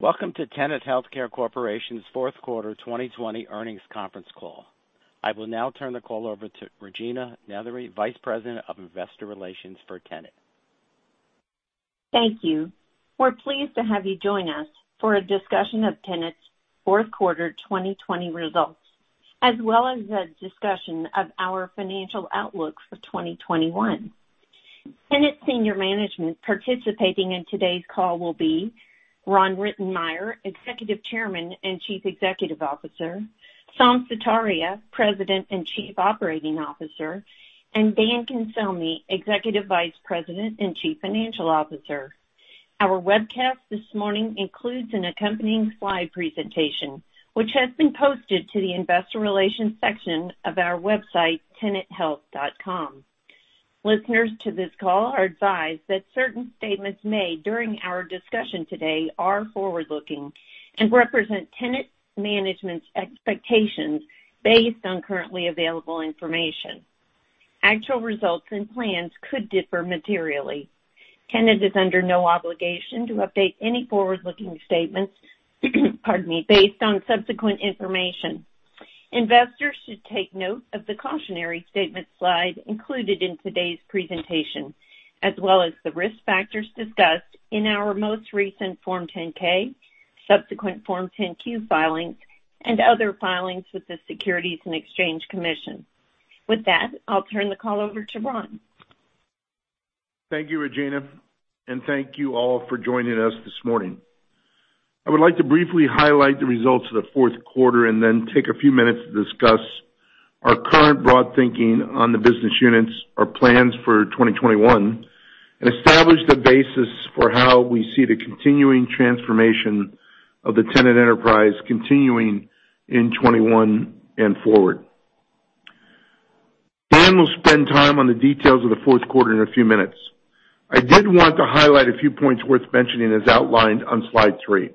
Welcome to Tenet Healthcare Corporation's fourth quarter 2020 earnings conference call. I will now turn the call over to Regina Nethery, Vice President of Investor Relations for Tenet. Thank you. We're pleased to have you join us for a discussion of Tenet's fourth quarter 2020 results, as well as a discussion of our financial outlook for 2021. Tenet senior management participating in today's call will be Ron Rittenmeyer, Executive Chairman and Chief Executive Officer, Saum Sutaria, President and Chief Operating Officer, and Dan Cancelmi, Executive Vice President and Chief Financial Officer. Our webcast this morning includes an accompanying slide presentation, which has been posted to the investor relations section of our website, tenethealth.com. Listeners to this call are advised that certain statements made during our discussion today are forward-looking and represent Tenet management's expectations based on currently available information. Actual results and plans could differ materially. Tenet is under no obligation to update any forward-looking statements, pardon me, based on subsequent information. Investors should take note of the cautionary statement slide included in today's presentation, as well as the risk factors discussed in our most recent Form 10-K, subsequent Form 10-Q filings, and other filings with the Securities and Exchange Commission. With that, I'll turn the call over to Ron. Thank you, Regina, and thank you all for joining us this morning. I would like to briefly highlight the results of the fourth quarter and then take a few minutes to discuss our current broad thinking on the business units, our plans for 2021, and establish the basis for how we see the continuing transformation of the Tenet enterprise continuing in 2021 and forward. Dan will spend time on the details of the fourth quarter in a few minutes. I did want to highlight a few points worth mentioning as outlined on slide three.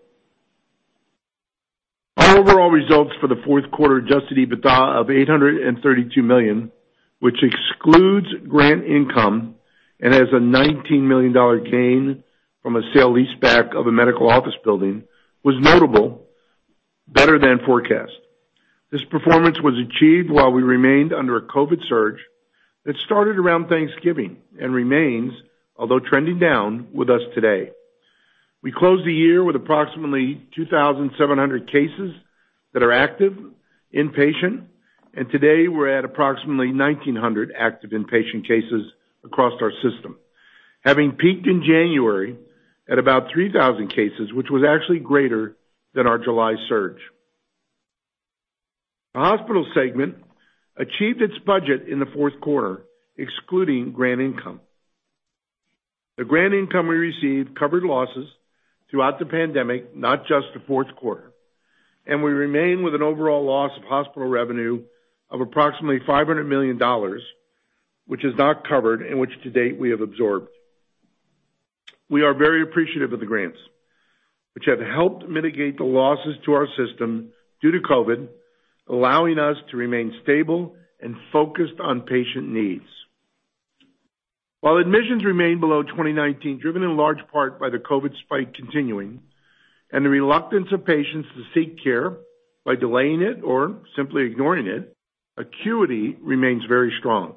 Our overall results for the fourth quarter adjusted EBITDA of $832 million, which excludes grant income and has a $19 million gain from a sale leaseback of a medical office building, was notable, better than forecast. This performance was achieved while we remained under a COVID surge that started around Thanksgiving and remains, although trending down, with us today. We closed the year with approximately 2,700 cases that are active, inpatient, and today we're at approximately 1,900 active inpatient cases across our system. Having peaked in January at about 3,000 cases, which was actually greater than our July surge. The hospital segment achieved its budget in the fourth quarter, excluding grant income. The grant income we received covered losses throughout the pandemic, not just the fourth quarter, and we remain with an overall loss of hospital revenue of approximately $500 million, which is not covered, and which to date we have absorbed. We are very appreciative of the grants, which have helped mitigate the losses to our system due to COVID, allowing us to remain stable and focused on patient needs. While admissions remain below 2019, driven in large part by the COVID spike continuing and the reluctance of patients to seek care by delaying it or simply ignoring it, acuity remains very strong.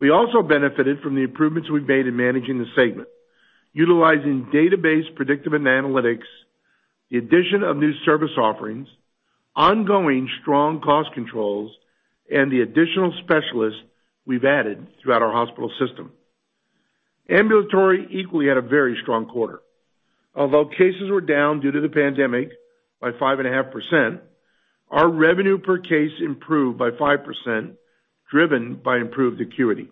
We also benefited from the improvements we've made in managing the segment, utilizing database predictive analytics, the addition of new service offerings, ongoing strong cost controls, and the additional specialists we've added throughout our hospital system. Ambulatory equally had a very strong quarter. Although cases were down due to the pandemic by 5.5%, our revenue per case improved by 5%, driven by improved acuity.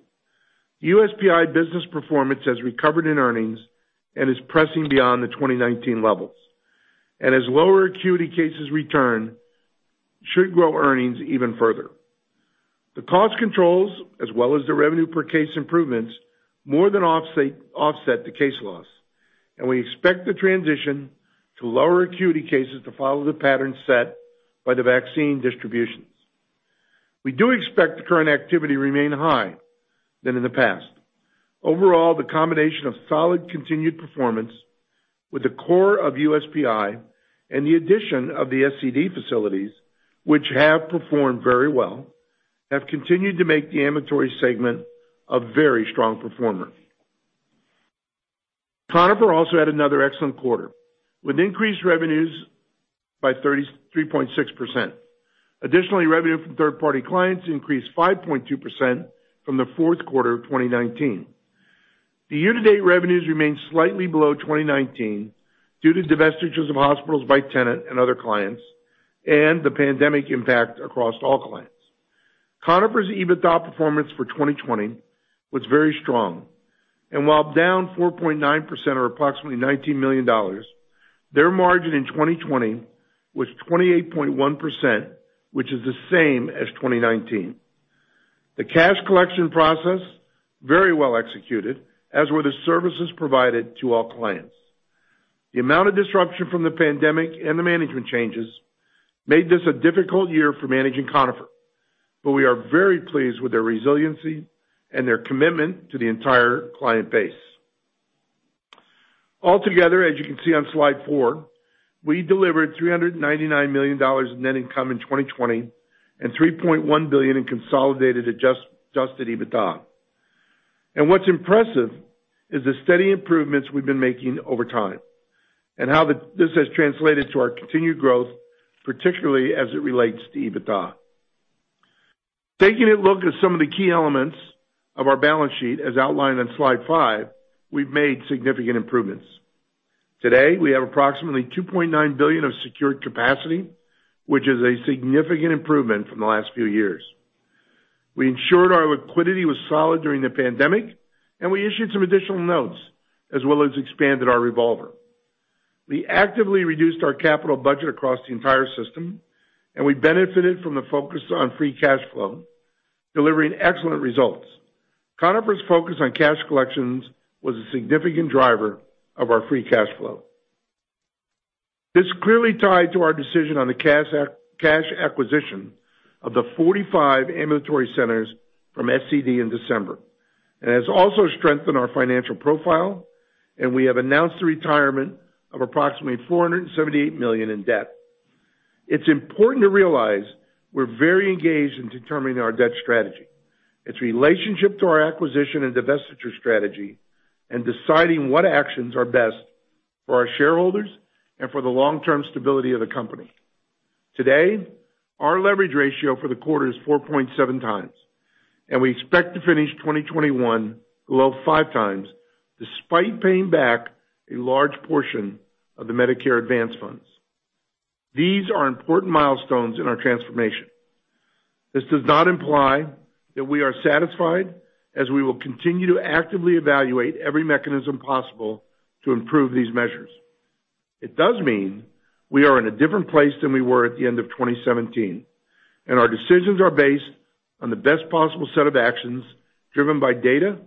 USPI business performance has recovered in earnings and is pressing beyond the 2019 levels. As lower acuity cases return, should grow earnings even further. The cost controls, as well as the revenue per case improvements, more than offset the case loss, and we expect the transition to lower acuity cases to follow the pattern set by the vaccine distributions. We do expect the current activity to remain higher than in the past. Overall, the combination of solid continued performance with the core of USPI and the addition of the SCD facilities, which have performed very well, have continued to make the ambulatory segment a very strong performer. Conifer also had another excellent quarter, with increased revenues by 33.6%. Additionally, revenue from third-party clients increased 5.2% from the fourth quarter of 2019. The year-to-date revenues remain slightly below 2019 due to divestitures of hospitals by Tenet and other clients and the pandemic impact across all clients. Conifer's EBITDA performance for 2020 was very strong. While down 4.9% or approximately $19 million, their margin in 2020 was 28.1%, which is the same as 2019. The cash collection process very well executed, as were the services provided to our clients. The amount of disruption from the pandemic and the management changes made this a difficult year for managing Conifer. We are very pleased with their resiliency and their commitment to the entire client base. Altogether, as you can see on slide four, we delivered $399 million in net income in 2020, and $3.1 billion in consolidated adjusted EBITDA. What's impressive is the steady improvements we've been making over time, and how this has translated to our continued growth, particularly as it relates to EBITDA. Taking a look at some of the key elements of our balance sheet, as outlined on slide five, we've made significant improvements. Today, we have approximately $2.9 billion of secured capacity, which is a significant improvement from the last few years. We ensured our liquidity was solid during the pandemic, and we issued some additional notes, as well as expanded our revolver. We actively reduced our capital budget across the entire system, and we benefited from the focus on free cash flow, delivering excellent results. Conifer's focus on cash collections was a significant driver of our free cash flow. This clearly tied to our decision on the cash acquisition of the 45 ambulatory centers from SCD in December. It has also strengthened our financial profile, and we have announced the retirement of approximately $478 million in debt. It's important to realize we're very engaged in determining our debt strategy, its relationship to our acquisition and divestiture strategy, and deciding what actions are best for our shareholders and for the long-term stability of the company. Today, our leverage ratio for the quarter is 4.7x, and we expect to finish 2021 below 5x, despite paying back a large portion of the Medicare advance funds. These are important milestones in our transformation. This does not imply that we are satisfied, as we will continue to actively evaluate every mechanism possible to improve these measures. It does mean we are in a different place than we were at the end of 2017, and our decisions are based on the best possible set of actions driven by data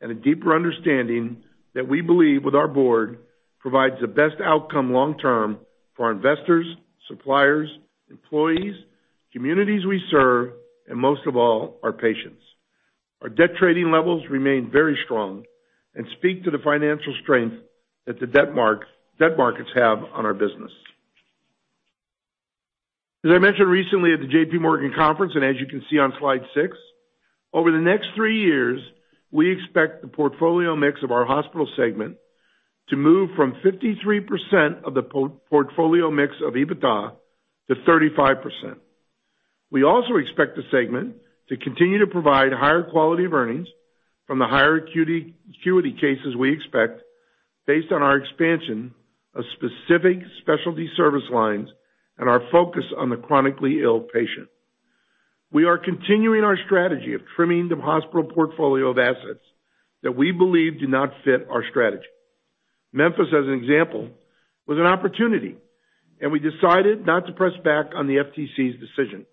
and a deeper understanding that we believe, with our board, provides the best outcome long-term for our investors, suppliers, employees, communities we serve, and most of all, our patients. Our debt trading levels remain very strong and speak to the financial strength that the debt markets have on our business. As I mentioned recently at the JPMorgan conference, and as you can see on slide six, over the next three years, we expect the portfolio mix of our hospital segment to move from 53% of the portfolio mix of EBITDA to 35%. We also expect the segment to continue to provide higher quality of earnings from the higher acuity cases we expect based on our expansion of specific specialty service lines and our focus on the chronically ill patient. We are continuing our strategy of trimming the hospital portfolio of assets that we believe do not fit our strategy. Memphis, as an example, was an opportunity, and we decided not to press back on the FTC's decision.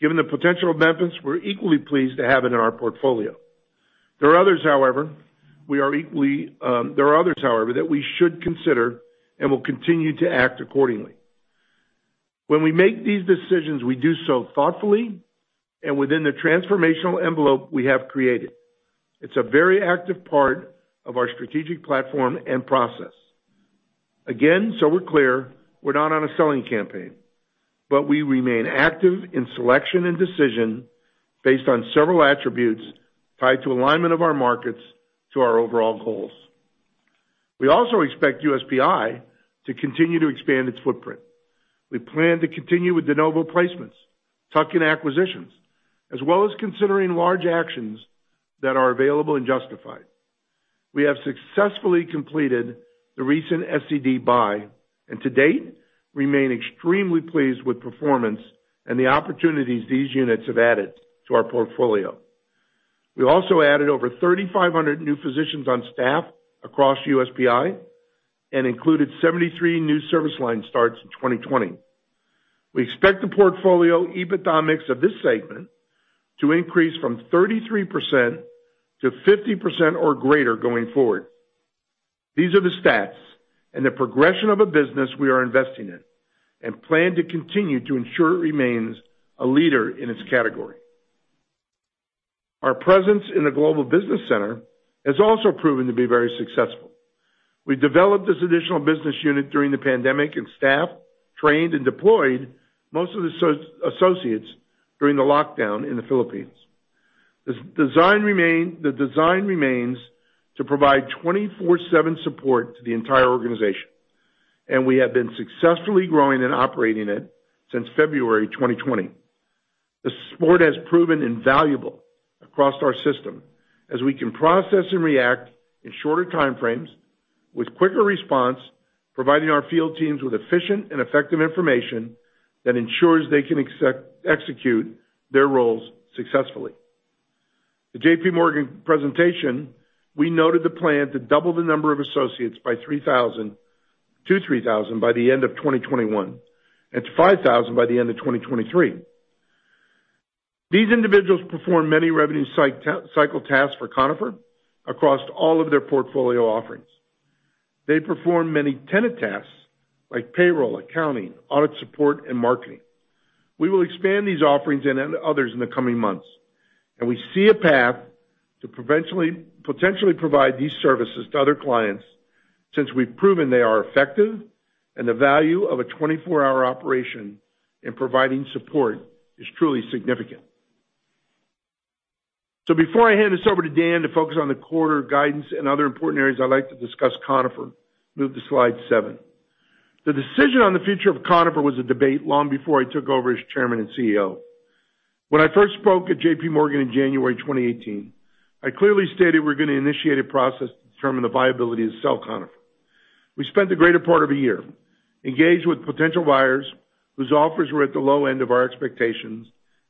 Given the potential of Memphis, we're equally pleased to have it in our portfolio. There are others, however, that we should consider and will continue to act accordingly. When we make these decisions, we do so thoughtfully and within the transformational envelope we have created. It's a very active part of our strategic platform and process. Again, we're clear, we're not on a selling campaign, but we remain active in selection and decision based on several attributes tied to alignment of our markets to our overall goals. We also expect USPI to continue to expand its footprint. We plan to continue with de novo placements, tuck-in acquisitions, as well as considering large actions that are available and justified. We have successfully completed the recent SCD buy, and to date, remain extremely pleased with performance and the opportunities these units have added to our portfolio. We also added over 3,500 new physicians on staff across USPI and included 73 new service line starts in 2020. We expect the portfolio EBITDA mix of this segment to increase from 33% to 50% or greater going forward. These are the stats and the progression of a business we are investing in and plan to continue to ensure it remains a leader in its category. Our presence in the Global Business Center has also proven to be very successful. We developed this additional business unit during the pandemic and staff trained and deployed most of the associates during the lockdown in the Philippines. The design remains to provide 24/7 support to the entire organization, and we have been successfully growing and operating it since February 2020. The support has proven invaluable across our system as we can process and react in shorter time frames with quicker response, providing our field teams with efficient and effective information that ensures they can execute their roles successfully. The JPMorgan presentation, we noted the plan to double the number of associates to 3,000 by the end of 2021 and to 5,000 by the end of 2023. These individuals perform many revenue cycle tasks for Conifer across all of their portfolio offerings. They perform many Tenet tasks like payroll, accounting, audit support, and marketing. We will expand these offerings and others in the coming months, and we see a path to potentially provide these services to other clients since we've proven they are effective and the value of a 24-hour operation in providing support is truly significant. Before I hand this over to Dan to focus on the quarter guidance and other important areas, I'd like to discuss Conifer. Move to slide seven. The decision on the future of Conifer was a debate long before I took over as Chairman and CEO. When I first spoke at JPMorgan in January 2018, I clearly stated we're going to initiate a process to determine the viability to sell Conifer. We spent the greater part of a year engaged with potential buyers whose offers were at the low end of our expectations,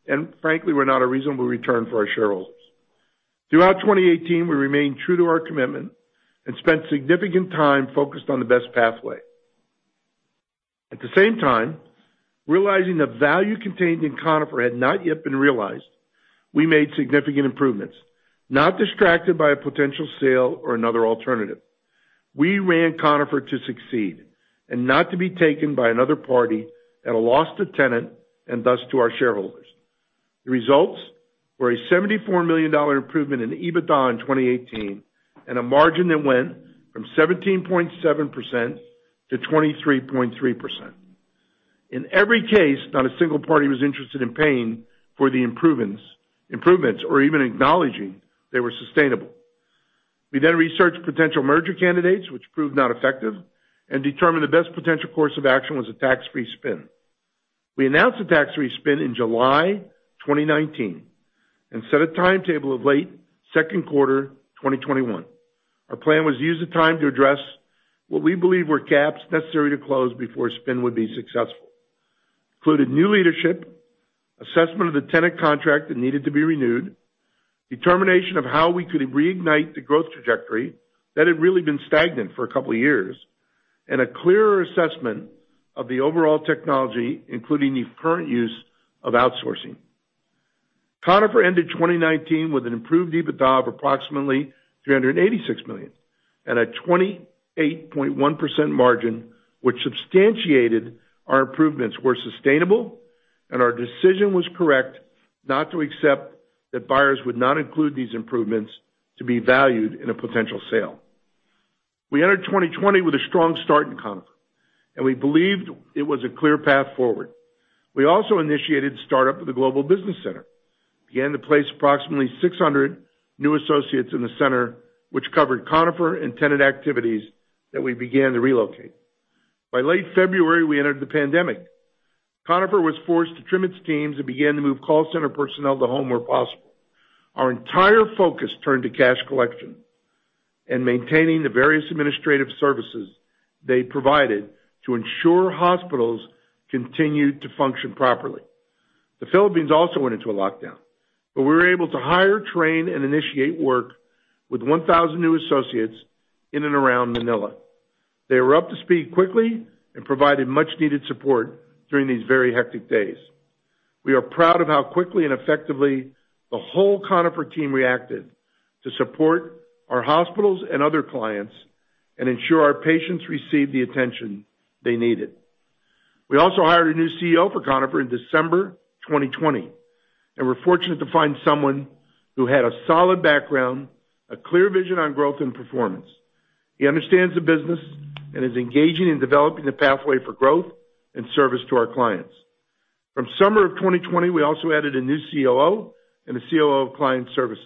and frankly, were not a reasonable return for our shareholders. Throughout 2018, we remained true to our commitment and spent significant time focused on the best pathway. At the same time, realizing the value contained in Conifer had not yet been realized, we made significant improvements, not distracted by a potential sale or another alternative. We ran Conifer to succeed and not to be taken by another party at a loss to Tenet and thus to our shareholders. The results were a $74 million improvement in EBITDA in 2018 and a margin that went from 17.7% to 23.3%. In every case, not a single party was interested in paying for the improvements or even acknowledging they were sustainable. We researched potential merger candidates, which proved not effective, and determined the best potential course of action was a tax-free spin. We announced the tax-free spin in July 2019 and set a timetable of late second quarter 2021. Our plan was use the time to address what we believe were gaps necessary to close before spin would be successful. Our plan included new leadership, assessment of the Tenet contract that needed to be renewed, determination of how we could reignite the growth trajectory that had really been stagnant for a couple of years, and a clearer assessment of the overall technology, including the current use of outsourcing. Conifer ended 2019 with an improved EBITDA of approximately $386 million and a 28.1% margin, which substantiated our improvements were sustainable and our decision was correct not to accept that buyers would not include these improvements to be valued in a potential sale. We entered 2020 with a strong start in Conifer, and we believed it was a clear path forward. We also initiated startup of the Global Business Center, began to place approximately 600 new associates in the center, which covered Conifer and Tenet activities that we began to relocate. By late February, we entered the pandemic. Conifer was forced to trim its teams and began to move call center personnel to home where possible. Our entire focus turned to cash collection and maintaining the various administrative services they provided to ensure hospitals continued to function properly. The Philippines also went into a lockdown, but we were able to hire, train, and initiate work with 1,000 new associates in and around Manila. They were up to speed quickly and provided much needed support during these very hectic days. We are proud of how quickly and effectively the whole Conifer team reacted to support our hospitals and other clients and ensure our patients received the attention they needed. We also hired a new CEO for Conifer in December 2020, and we're fortunate to find someone who had a solid background, a clear vision on growth and performance. He understands the business and is engaging in developing a pathway for growth and service to our clients. From summer of 2020, we also added a new COO and a COO of client services.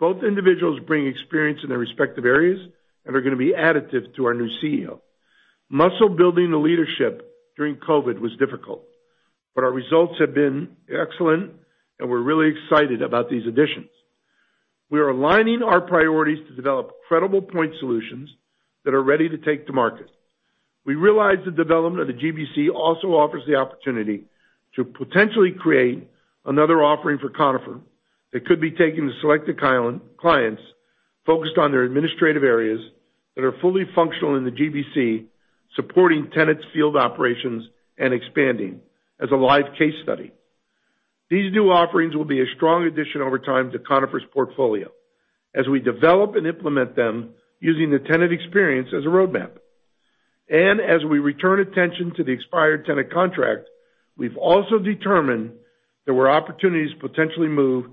Both individuals bring experience in their respective areas and are going to be additive to our new CEO. Muscle building the leadership during COVID was difficult, but our results have been excellent and we're really excited about these additions. We are aligning our priorities to develop credible point solutions that are ready to take to market. We realize the development of the GBC also offers the opportunity to potentially create another offering for Conifer that could be taken to selected clients focused on their administrative areas that are fully functional in the GBC, supporting Tenet's field operations and expanding as a live case study. These new offerings will be a strong addition over time to Conifer's portfolio as we develop and implement them using the Tenet experience as a roadmap. As we return attention to the expired Tenet contract, we've also determined there were opportunities to potentially move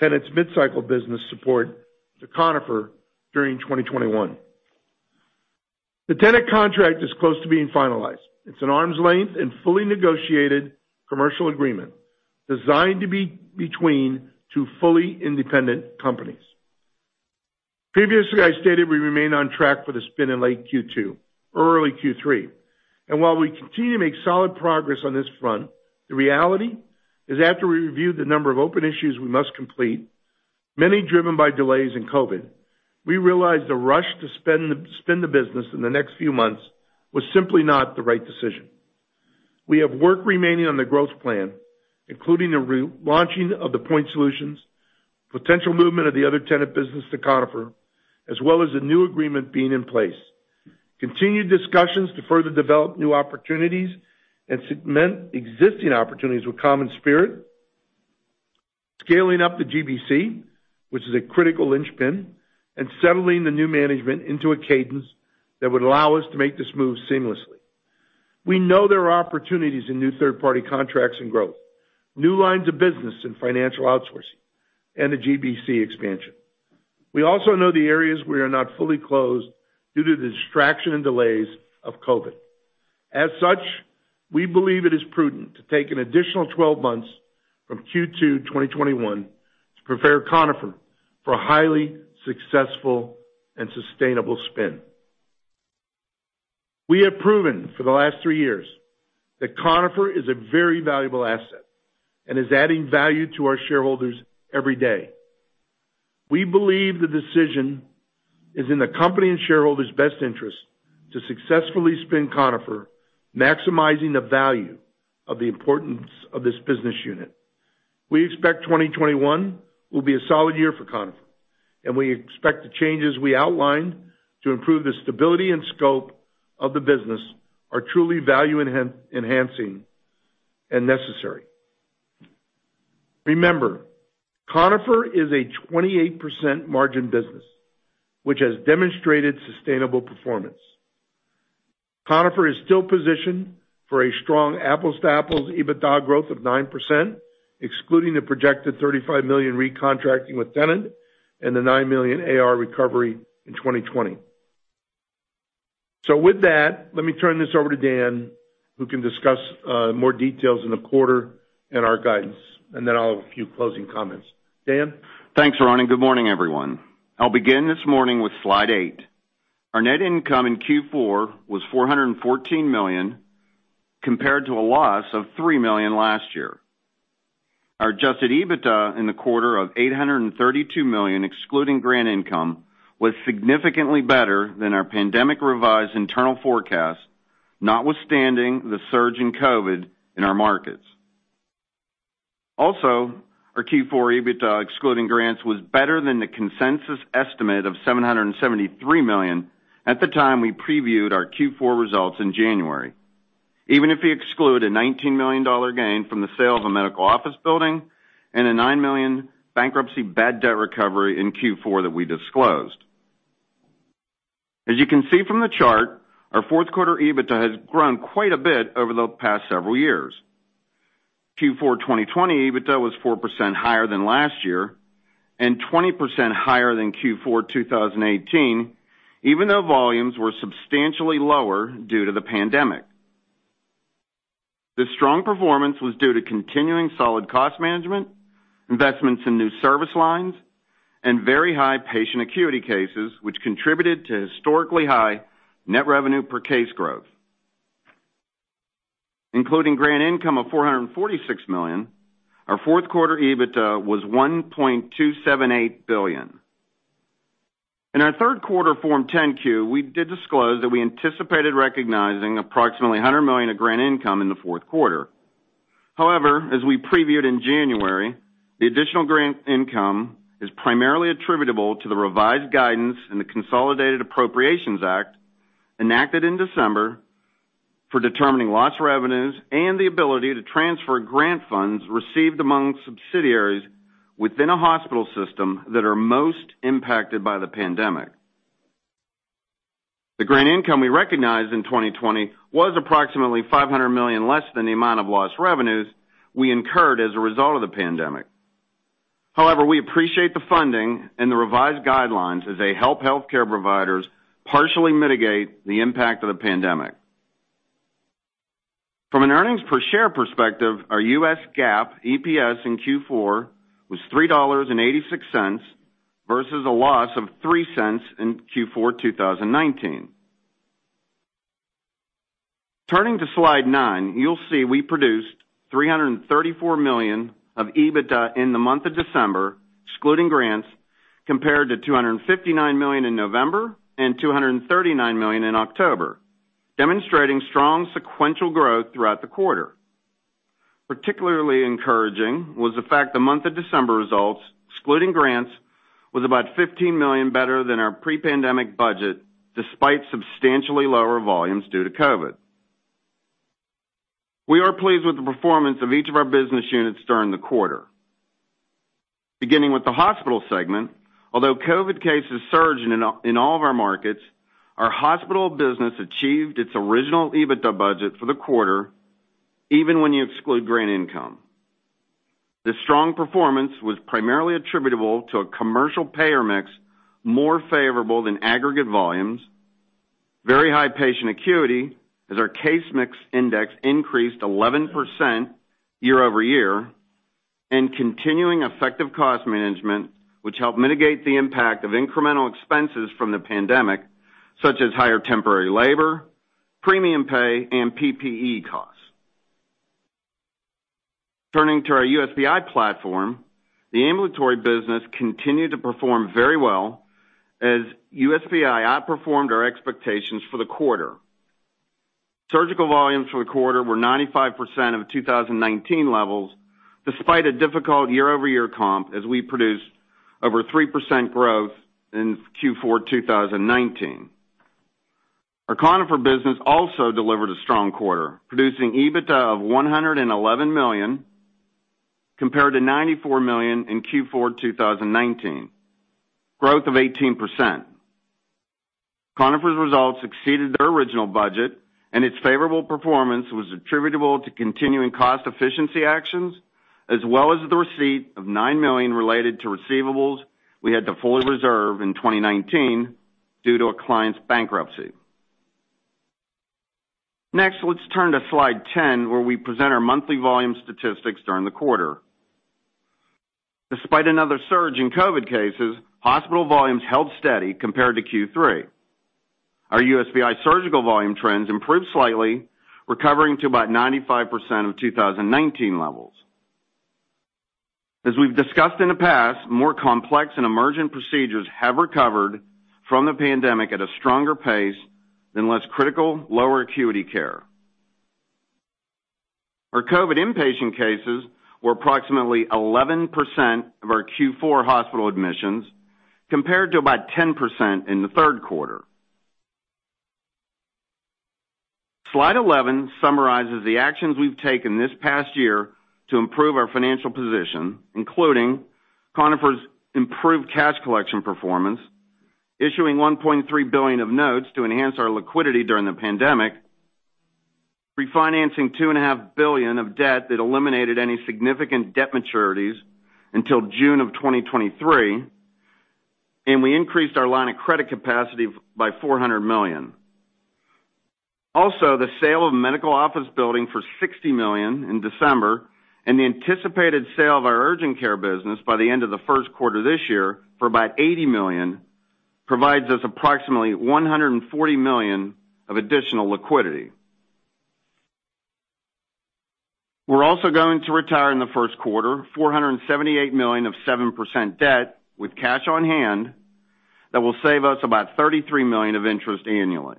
Tenet's mid-cycle business support to Conifer during 2021. The Tenet contract is close to being finalized. It's an arm's length and fully negotiated commercial agreement designed to be between two fully independent companies. Previously, I stated we remain on track for the spin in late Q2, early Q3. While we continue to make solid progress on this front, the reality is after we reviewed the number of open issues we must complete, many driven by delays in COVID, we realized the rush to spin the business in the next few months was simply not the right decision. We have work remaining on the growth plan, including the launching of the point solutions, potential movement of the other Tenet business to Conifer, as well as the new agreement being in place. Continued discussions to further develop new opportunities and cement existing opportunities with CommonSpirit. Scaling up the GBC, which is a critical linchpin, and settling the new management into a cadence that would allow us to make this move seamlessly. We know there are opportunities in new third-party contracts and growth, new lines of business in financial outsourcing, and the GBC expansion. We also know the areas we are not fully closed due to the distraction and delays of COVID. As such, we believe it is prudent to take an additional 12 months from Q2 2021 to prepare Conifer for a highly successful and sustainable spin. We have proven for the last three years that Conifer is a very valuable asset and is adding value to our shareholders every day. We believe the decision is in the company and shareholders' best interest to successfully spin Conifer, maximizing the value of the importance of this business unit. We expect 2021 will be a solid year for Conifer, and we expect the changes we outlined to improve the stability and scope of the business are truly value-enhancing and necessary. Remember, Conifer is a 28% margin business, which has demonstrated sustainable performance. Conifer is still positioned for a strong apples-to-apples EBITDA growth of 9%, excluding the projected $35 million recontracting with Tenet and the $9 million AR recovery in 2020. With that, let me turn this over to Dan, who can discuss more details in the quarter and our guidance, and then I'll have a few closing comments. Dan? Thanks, Ron, good morning, everyone. I'll begin this morning with slide eight. Our net income in Q4 was $414 million, compared to a loss of $3 million last year. Our adjusted EBITDA in the quarter of $832 million, excluding grant income, was significantly better than our pandemic revised internal forecast, notwithstanding the surge in COVID in our markets. Our Q4 EBITDA, excluding grants, was better than the consensus estimate of $773 million at the time we previewed our Q4 results in January. Even if we exclude a $19 million gain from the sale of a medical office building and a $9 million bankruptcy bad debt recovery in Q4 that we disclosed. As you can see from the chart, our fourth quarter EBITDA has grown quite a bit over the past several years. Q4 2020 EBITDA was 4% higher than last year and 20% higher than Q4 2018, even though volumes were substantially lower due to the pandemic. This strong performance was due to continuing solid cost management, investments in new service lines, and very high patient acuity cases, which contributed to historically high net revenue per case growth. Including grant income of $446 million, our fourth quarter EBITDA was $1.278 billion. In our third quarter Form 10-Q, we did disclose that we anticipated recognizing approximately $100 million of grant income in the fourth quarter. However, as we previewed in January, the additional grant income is primarily attributable to the revised guidance in the Consolidated Appropriations Act, enacted in December for determining lost revenues and the ability to transfer grant funds received among subsidiaries within a hospital system that are most impacted by the pandemic. The grant income we recognized in 2020 was approximately $500 million less than the amount of lost revenues we incurred as a result of the pandemic. However, we appreciate the funding and the revised guidelines as they help healthcare providers partially mitigate the impact of the pandemic. From an earnings per share perspective, our U.S. GAAP, EPS in Q4 was $3.86, versus a loss of $0.03 in Q4 2019. Turning to slide nine, you'll see we produced $334 million of EBITDA in the month of December, excluding grants, compared to $259 million in November and $239 million in October, demonstrating strong sequential growth throughout the quarter. Particularly encouraging was the fact the month of December results, excluding grants, was about $15 million better than our pre-pandemic budget, despite substantially lower volumes due to COVID. We are pleased with the performance of each of our business units during the quarter. Beginning with the hospital segment, although COVID cases surged in all of our markets, our hospital business achieved its original EBITDA budget for the quarter, even when you exclude grant income. This strong performance was primarily attributable to a commercial payer mix more favorable than aggregate volumes, very high patient acuity as our case mix index increased 11% year-over-year, and continuing effective cost management, which helped mitigate the impact of incremental expenses from the pandemic, such as higher temporary labor, premium pay, and PPE costs. Turning to our USPI platform, the ambulatory business continued to perform very well as USPI outperformed our expectations for the quarter. Surgical volumes for the quarter were 95% of 2019 levels, despite a difficult year-over-year comp as we produced over 3% growth in Q4 2019. Our Conifer business also delivered a strong quarter, producing EBITDA of $111 million, compared to $94 million in Q4 2019, growth of 18%. Conifer's results exceeded their original budget, and its favorable performance was attributable to continuing cost efficiency actions, as well as the receipt of $9 million related to receivables we had to fully reserve in 2019 due to a client's bankruptcy. Let's turn to slide 10, where we present our monthly volume statistics during the quarter. Despite another surge in COVID cases, hospital volumes held steady compared to Q3. Our USPI surgical volume trends improved slightly, recovering to about 95% of 2019 levels. As we've discussed in the past, more complex and emergent procedures have recovered from the pandemic at a stronger pace than less critical, lower acuity care. Our COVID inpatient cases were approximately 11% of our Q4 hospital admissions, compared to about 10% in the third quarter. Slide 11 summarizes the actions we've taken this past year to improve our financial position, including Conifer's improved cash collection performance, issuing $1.3 billion of notes to enhance our liquidity during the pandemic, refinancing $2.5 billion of debt that eliminated any significant debt maturities until June of 2023, and we increased our line of credit capacity by $400 million. Also, the sale of medical office building for $60 million in December and the anticipated sale of our urgent care business by the end of the first quarter this year for about $80 million, provides us approximately $140 million of additional liquidity. We're also going to retire in the first quarter $478 million of 7% debt with cash on hand that will save us about $33 million of interest annually.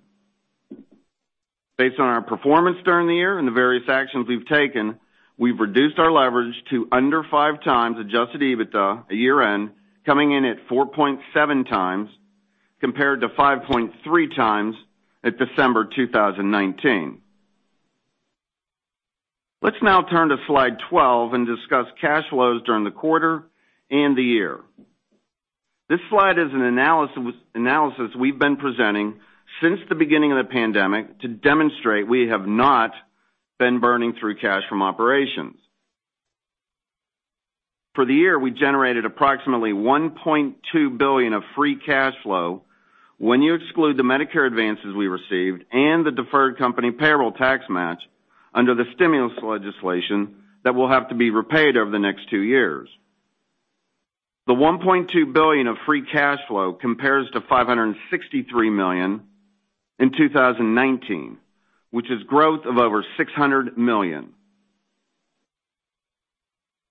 Based on our performance during the year and the various actions we've taken, we've reduced our leverage to under 5x adjusted EBITDA at year-end, coming in at 4.7x compared to 5.3x at December 2019. Let's now turn to slide 12 and discuss cash flows during the quarter and the year. This slide is an analysis we've been presenting since the beginning of the pandemic to demonstrate we have not been burning through cash from operations. For the year, we generated approximately $1.2 billion of free cash flow when you exclude the Medicare advances we received and the deferred company payroll tax match under the stimulus legislation that will have to be repaid over the next two years. The $1.2 billion of free cash flow compares to $563 million in 2019, which is growth of over $600 million.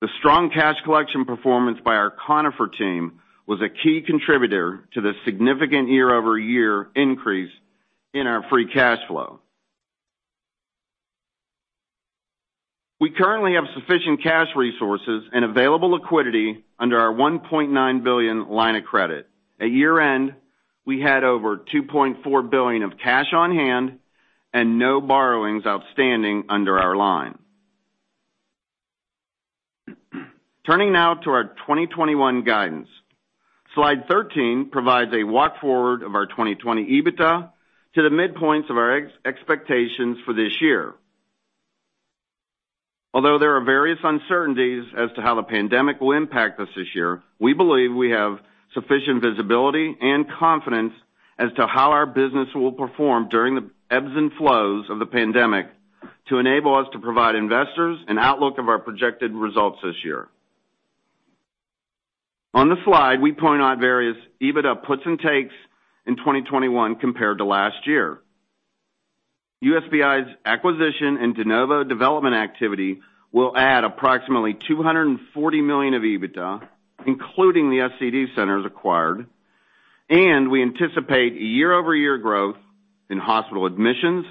The strong cash collection performance by our Conifer team was a key contributor to the significant year-over-year increase in our free cash flow. We currently have sufficient cash resources and available liquidity under our $1.9 billion line of credit. At year-end, we had over $2.4 billion of cash on hand and no borrowings outstanding under our line. Turning now to our 2021 guidance. Slide 13 provides a walk forward of our 2020 EBITDA to the midpoints of our expectations for this year. Although there are various uncertainties as to how the pandemic will impact us this year, we believe we have sufficient visibility and confidence as to how our business will perform during the ebbs and flows of the pandemic to enable us to provide investors an outlook of our projected results this year. On the slide, we point out various EBITDA puts and takes in 2021 compared to last year. USPI's acquisition and de novo development activity will add approximately $240 million of EBITDA, including the SCD centers acquired, and we anticipate a year-over-year growth in hospital admissions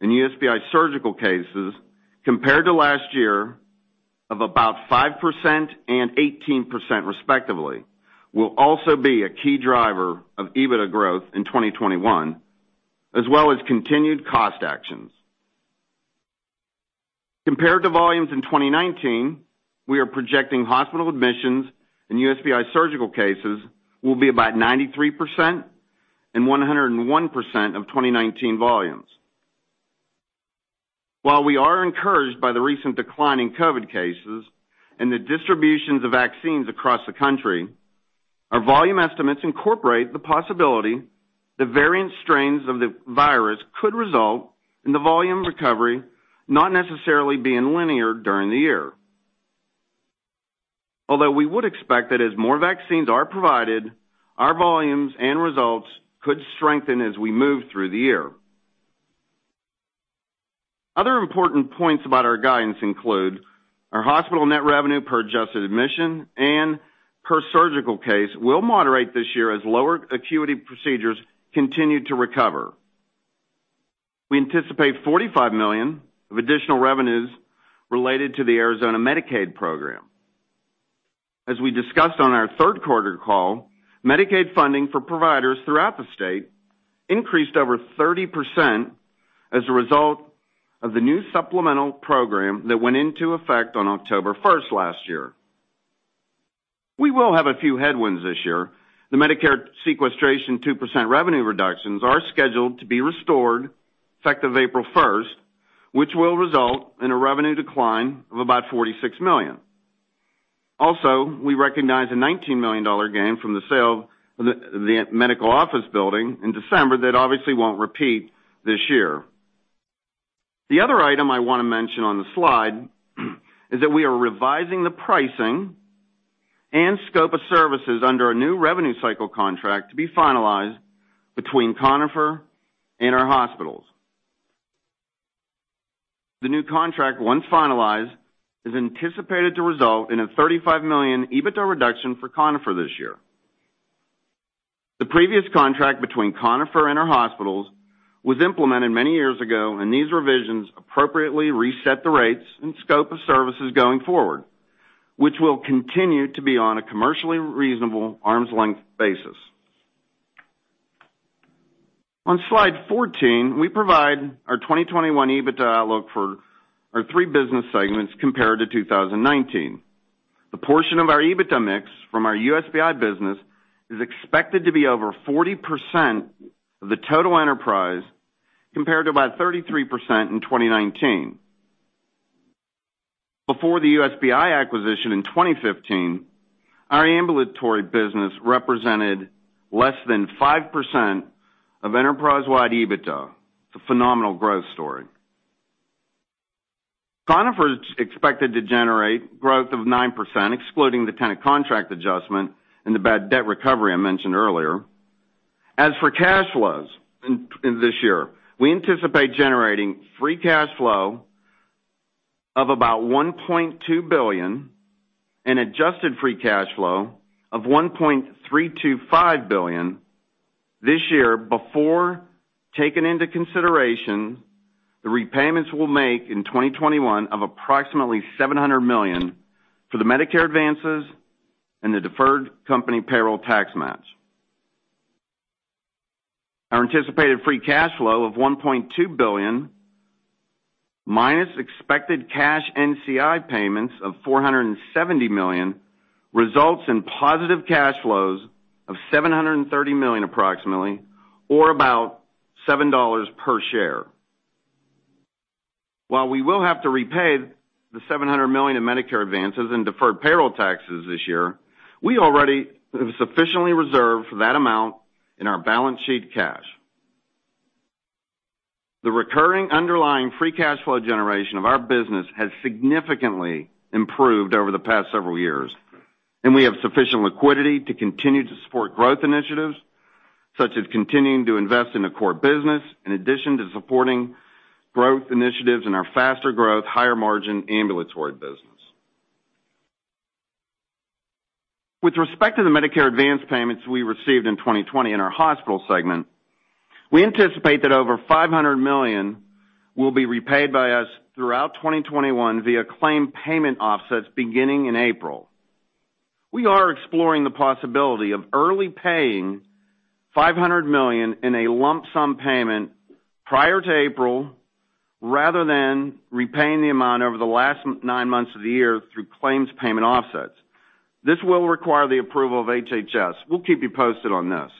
and USPI surgical cases compared to last year of about 5% and 18% respectively, will also be a key driver of EBITDA growth in 2021, as well as continued cost actions. Compared to volumes in 2019, we are projecting hospital admissions and USPI surgical cases will be about 93% and 101% of 2019 volumes. While we are encouraged by the recent decline in COVID cases and the distributions of vaccines across the country, our volume estimates incorporate the possibility that variant strains of the virus could result in the volume recovery not necessarily being linear during the year. Although we would expect that as more vaccines are provided, our volumes and results could strengthen as we move through the year. Other important points about our guidance include our hospital net revenue per adjusted admission and per surgical case will moderate this year as lower acuity procedures continue to recover. We anticipate $45 million of additional revenues related to the Arizona Medicaid program. As we discussed on our third quarter call, Medicaid funding for providers throughout the state increased over 30% as a result of the new supplemental program that went into effect on October 1st last year. We will have a few headwinds this year. The Medicare sequestration 2% revenue reductions are scheduled to be restored effective April 1st, which will result in a revenue decline of about $46 million. Also, we recognize a $19 million gain from the sale of the medical office building in December that obviously won't repeat this year. The other item I want to mention on the slide is that we are revising the pricing and scope of services under a new revenue cycle contract to be finalized between Conifer and our hospitals. The new contract, once finalized, is anticipated to result in a $35 million EBITDA reduction for Conifer this year. The previous contract between Conifer and our hospitals was implemented many years ago, and these revisions appropriately reset the rates and scope of services going forward, which will continue to be on a commercially reasonable arm's length basis. On slide 14, we provide our 2021 EBITDA outlook for our three business segments compared to 2019. The portion of our EBITDA mix from our USPI business is expected to be over 40% of the total enterprise, compared to about 33% in 2019. Before the USPI acquisition in 2015, our ambulatory business represented less than 5% of enterprise-wide EBITDA. It's a phenomenal growth story. Conifer's expected to generate growth of 9%, excluding the Tenet contract adjustment and the bad debt recovery I mentioned earlier. As for cash flows in this year, we anticipate generating free cash flow of about $1.2 billion and adjusted free cash flow of $1.325 billion this year before taking into consideration the repayments we will make in 2021 of approximately $700 million for the Medicare advances and the deferred company payroll tax match. Our anticipated free cash flow of $1.2 billion minus expected cash NCI payments of $470 million results in positive cash flows of $730 million approximately, or about $7 per share. While we will have to repay the $700 million in Medicare advances and deferred payroll taxes this year, we already have sufficiently reserved for that amount in our balance sheet cash. The recurring underlying free cash flow generation of our business has significantly improved over the past several years, and we have sufficient liquidity to continue to support growth initiatives, such as continuing to invest in the core business, in addition to supporting growth initiatives in our faster growth, higher margin ambulatory business. With respect to the Medicare advance payments we received in 2020 in our hospital segment, we anticipate that over $500 million will be repaid by us throughout 2021 via claim payment offsets beginning in April. We are exploring the possibility of early paying $500 million in a lump sum payment prior to April, rather than repaying the amount over the last nine months of the year through claims payment offsets. This will require the approval of HHS. We'll keep you posted on this.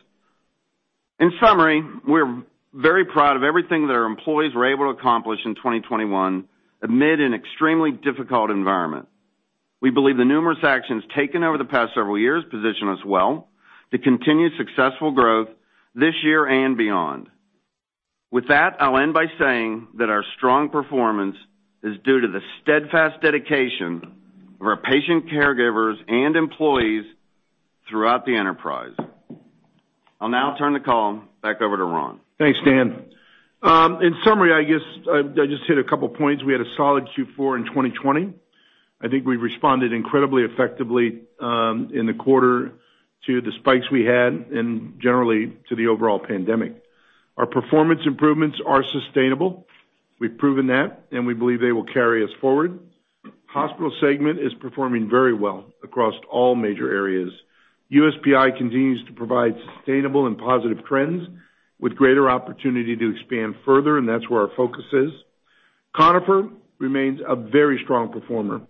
In summary, we're very proud of everything that our employees were able to accomplish in 2021 amid an extremely difficult environment. We believe the numerous actions taken over the past several years position us well to continue successful growth this year and beyond. With that, I'll end by saying that our strong performance is due to the steadfast dedication of our patient caregivers and employees throughout the enterprise. I'll now turn the call back over to Ron. Thanks, Dan. In summary, I guess I just hit a couple points. We had a solid Q4 in 2020. I think we responded incredibly effectively in the quarter to the spikes we had and generally to the overall pandemic. Our performance improvements are sustainable. We've proven that, and we believe they will carry us forward. Hospital segment is performing very well across all major areas. USPI continues to provide sustainable and positive trends with greater opportunity to expand further, and that's where our focus is. Conifer remains a very strong performer,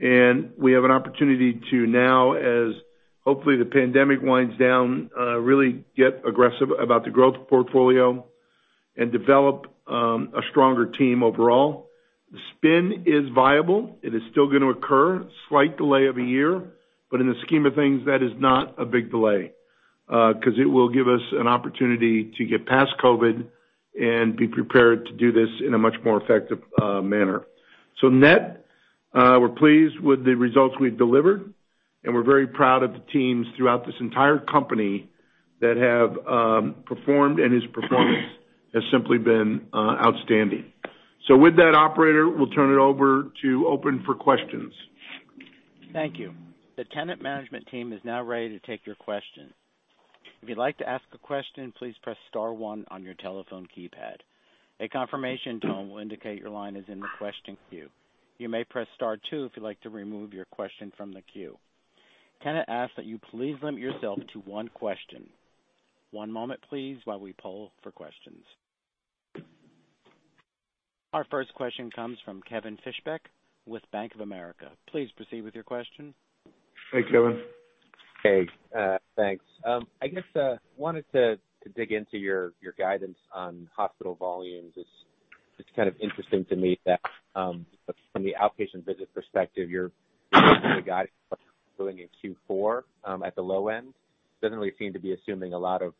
and we have an opportunity to now, as hopefully the pandemic winds down, really get aggressive about the growth portfolio and develop a stronger team overall. The spin is viable. It is still going to occur. Slight delay of a year, but in the scheme of things, that is not a big delay, because it will give us an opportunity to get past COVID and be prepared to do this in a much more effective manner. Net, we're pleased with the results we've delivered, and we're very proud of the teams throughout this entire company that have performed, and its performance has simply been outstanding. With that, operator, we'll turn it over to open for questions. Thank you. The Tenet Management team is now ready to take your questions. If you'd like to ask a question, please press star one on your telephone keypad. A confirmation tone will indicate your line is in the question queue. You may press star two if you'd like to remove your question from the queue. Tenet asks that you please limit yourself to one question. One moment, please, while we poll for questions. Our first question comes from Kevin Fischbeck with Bank of America. Please proceed with your question. Thanks, Kevin. Hey, thanks. I guess I wanted to dig into your guidance on hospital volumes. It's kind of interesting to me that from the outpatient visit perspective, your guidance going into Q4 at the low end doesn't really seem to be assuming a lot of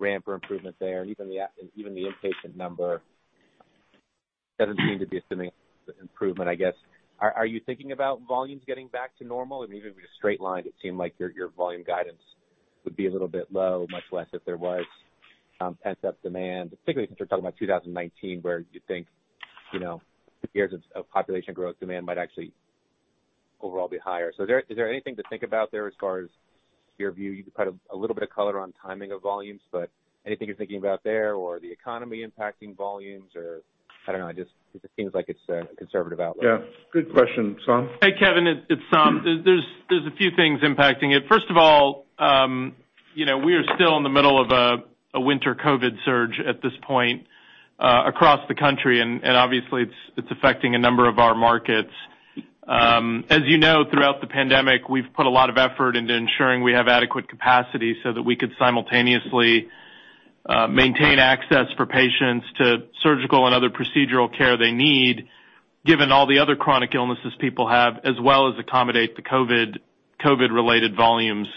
ramp or improvement there. Even the inpatient number doesn't seem to be assuming improvement, I guess. Are you thinking about volumes getting back to normal? Even if we just straight lined it, seemed like your volume guidance would be a little bit low, much less if there was pent-up demand, particularly since we're talking about 2019, where you think years of population growth demand might actually overall be higher. Is there anything to think about there as far as your view? You can provide a little bit of color on timing of volumes, but anything you're thinking about there or the economy impacting volumes or, I don't know, it just seems like it's a conservative outlook. Yeah, good question. Saum? Hey, Kevin. It's Saum. There's a few things impacting it. First of all, we are still in the middle of a winter COVID surge at this point across the country, and obviously, it's affecting a number of our markets. As you know, throughout the pandemic, we've put a lot of effort into ensuring we have adequate capacity so that we could simultaneously maintain access for patients to surgical and other procedural care they need, given all the other chronic illnesses people have, as well as accommodate the COVID-related volumes.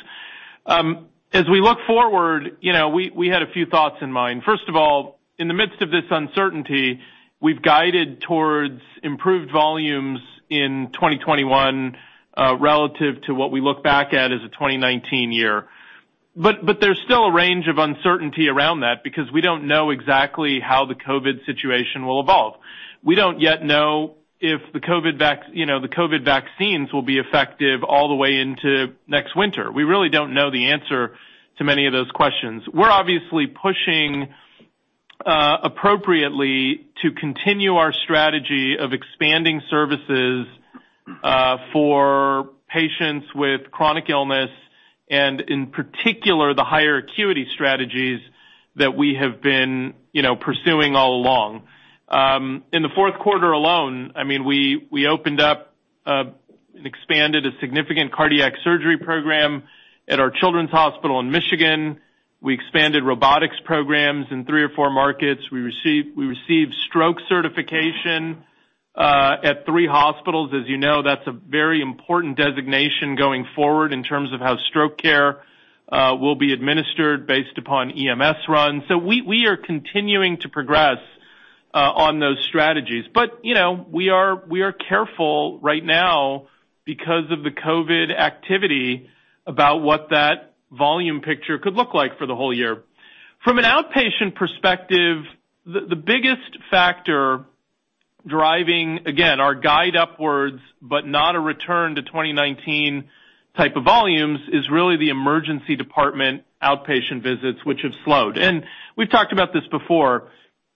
As we look forward, we had a few thoughts in mind. First of all, in the midst of this uncertainty, we've guided towards improved volumes in 2021, relative to what we look back at as a 2019 year. There's still a range of uncertainty around that, because we don't know exactly how the COVID situation will evolve. We don't yet know if the COVID vaccines will be effective all the way into next winter. We really don't know the answer to many of those questions. We're obviously pushing appropriately to continue our strategy of expanding services for patients with chronic illness, and in particular, the higher acuity strategies that we have been pursuing all along. In the fourth quarter alone, we opened up and expanded a significant cardiac surgery program at our children's hospital in Michigan. We expanded robotics programs in three or four markets. We received stroke certification at three hospitals. As you know, that's a very important designation going forward in terms of how stroke care will be administered based upon EMS runs. We are continuing to progress on those strategies. We are careful right now because of the COVID activity about what that volume picture could look like for the whole year. From an outpatient perspective, the biggest factor driving, again, our guide upwards, but not a return to 2019 type of volumes, is really the emergency department outpatient visits, which have slowed. We've talked about this before.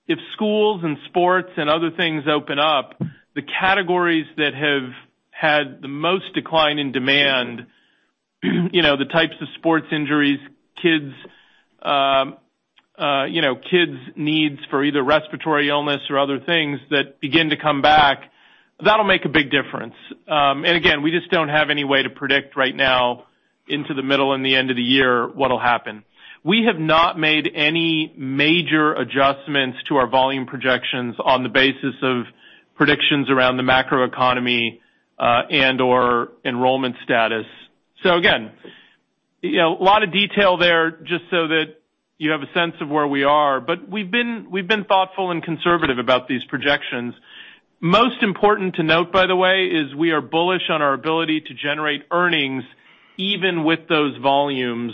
If schools and sports and other things open up, the categories that have had the most decline in demand, the types of sports injuries, kids' needs for either respiratory illness or other things that begin to come back, that'll make a big difference. Again, we just don't have any way to predict right now into the middle and the end of the year what'll happen. We have not made any major adjustments to our volume projections on the basis of predictions around the macroeconomy, and/or enrollment status. Again, a lot of detail there, just so that you have a sense of where we are. We've been thoughtful and conservative about these projections. Most important to note, by the way, is we are bullish on our ability to generate earnings even with those volumes,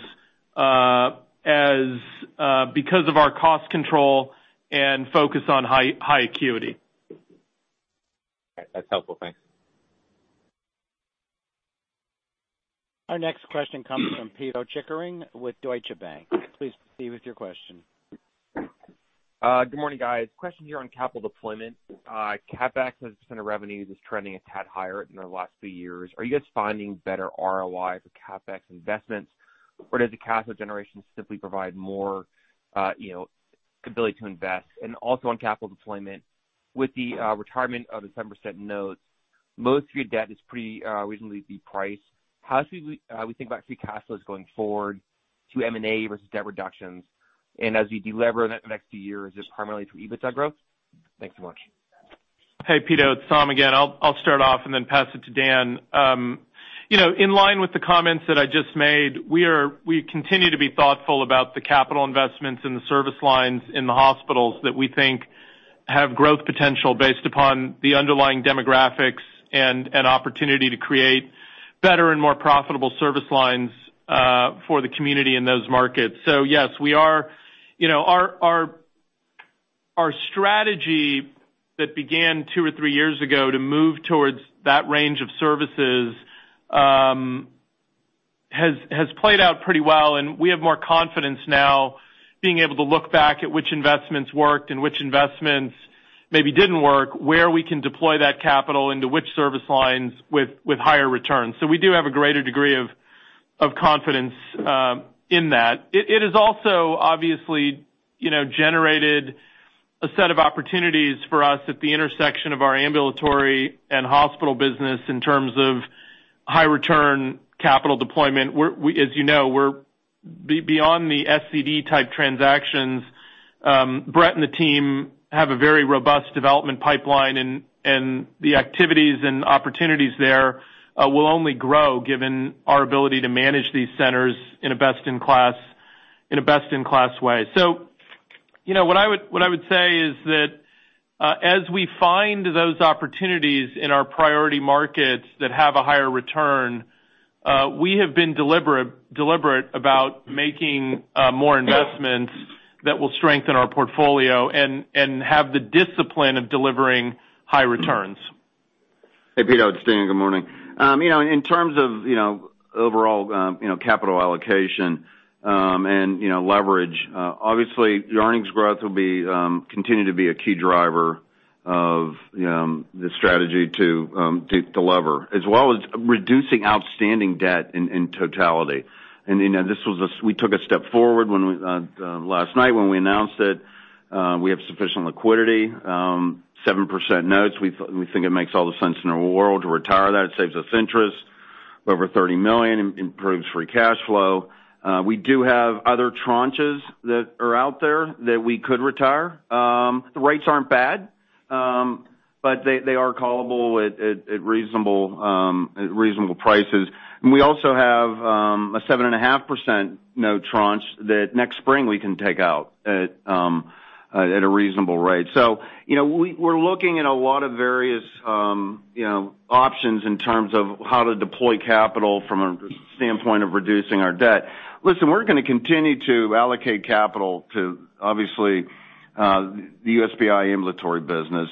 because of our cost control and focus on high acuity. That's helpful. Thanks. Our next question comes from Pito Chickering with Deutsche Bank. Please proceed with your question. Good morning, guys. Question here on capital deployment. CapEx as a percent of revenue is trending a tad higher than the last few years. Are you guys finding better ROI for CapEx investments, or does the cash flow generation simply provide more ability to invest? Also on capital deployment, with the retirement of the 7% notes, most of your debt is pretty reasonably priced. How should we think about free cash flows going forward to M&A versus debt reductions? As we delever in the next few years, is this primarily through EBITDA growth? Thanks so much. Hey, Pito. It's Saum again. I'll start off and then pass it to Dan. In line with the comments that I just made, we continue to be thoughtful about the capital investments in the service lines in the hospitals that we think have growth potential based upon the underlying demographics and opportunity to create better and more profitable service lines for the community in those markets. Our strategy that began two or three years ago to move towards that range of services has played out pretty well, and we have more confidence now being able to look back at which investments worked and which investments maybe didn't work, where we can deploy that capital into which service lines with higher returns. We do have a greater degree of confidence in that. It has also, obviously, generated a set of opportunities for us at the intersection of our ambulatory and hospital business in terms of high return capital deployment. As you know, beyond the SCD-type transactions, Brett and the team have a very robust development pipeline, and the activities and opportunities there will only grow given our ability to manage these centers in a best-in-class way. What I would say is that as we find those opportunities in our priority markets that have a higher return, we have been deliberate about making more investments that will strengthen our portfolio and have the discipline of delivering high returns. Hey, Pito. It's Dan. Good morning. In terms of overall capital allocation, and leverage, obviously your earnings growth will continue to be a key driver of the strategy to de-lever, as well as reducing outstanding debt in totality. We took a step forward last night when we announced that we have sufficient liquidity, 7% notes. We think it makes all the sense in the world to retire that. It saves us interest, over $30 million, improves free cash flow. We do have other tranches that are out there that we could retire. The rates aren't bad, but they are callable at reasonable prices. We also have a 7.5% note tranche that next spring we can take out at a reasonable rate. We're looking at a lot of various options in terms of how to deploy capital from a standpoint of reducing our debt. Listen, we're going to continue to allocate capital to, obviously, the USPI ambulatory business.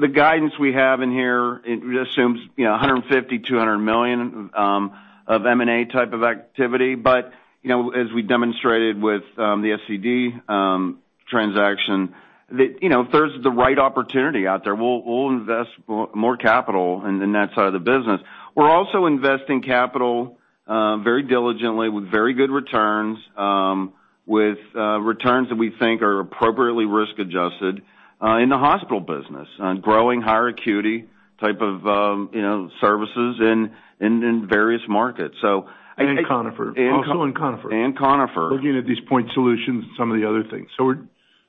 The guidance we have in here assumes $150 million, $200 million of M&A type of activity. As we demonstrated with the SCD transaction, if there's the right opportunity out there, we'll invest more capital in that side of the business. We're also investing capital very diligently with very good returns, with returns that we think are appropriately risk adjusted, in the hospital business on growing higher acuity type of services in various markets. Conifer. Also in Conifer. Conifer. Looking at these point solutions and some of the other things.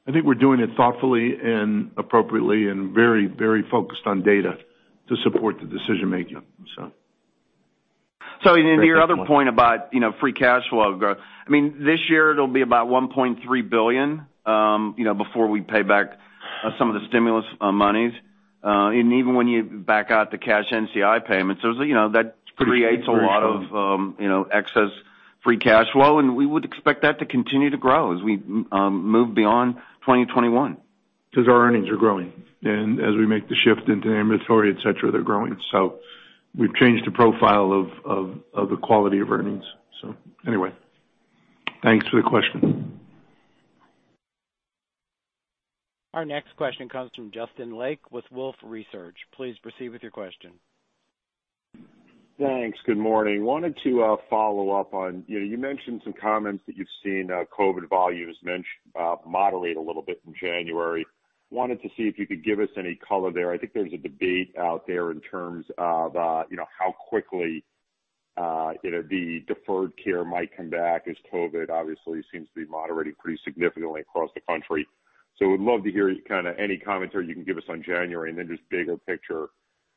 I think we're doing it thoughtfully and appropriately and very focused on data to support the decision-making. To your other point about free cash flow growth, this year it'll be about $1.3 billion, before we pay back some of the stimulus monies. Even when you back out the cash NCI payments, that creates a lot of excess free cash flow. We would expect that to continue to grow as we move beyond 2021. Because our earnings are growing. As we make the shift into ambulatory, et cetera, they're growing. We've changed the profile of the quality of earnings. Anyway, thanks for the question. Our next question comes from Justin Lake with Wolfe Research. Please proceed with your question. Thanks. Good morning. Wanted to follow up on, you mentioned some comments that you've seen COVID volumes moderate a little bit in January. Wanted to see if you could give us any color there. I think there's a debate out there in terms of how quickly the deferred care might come back as COVID obviously seems to be moderating pretty significantly across the country. Would love to hear any commentary you can give us on January, and then just bigger picture,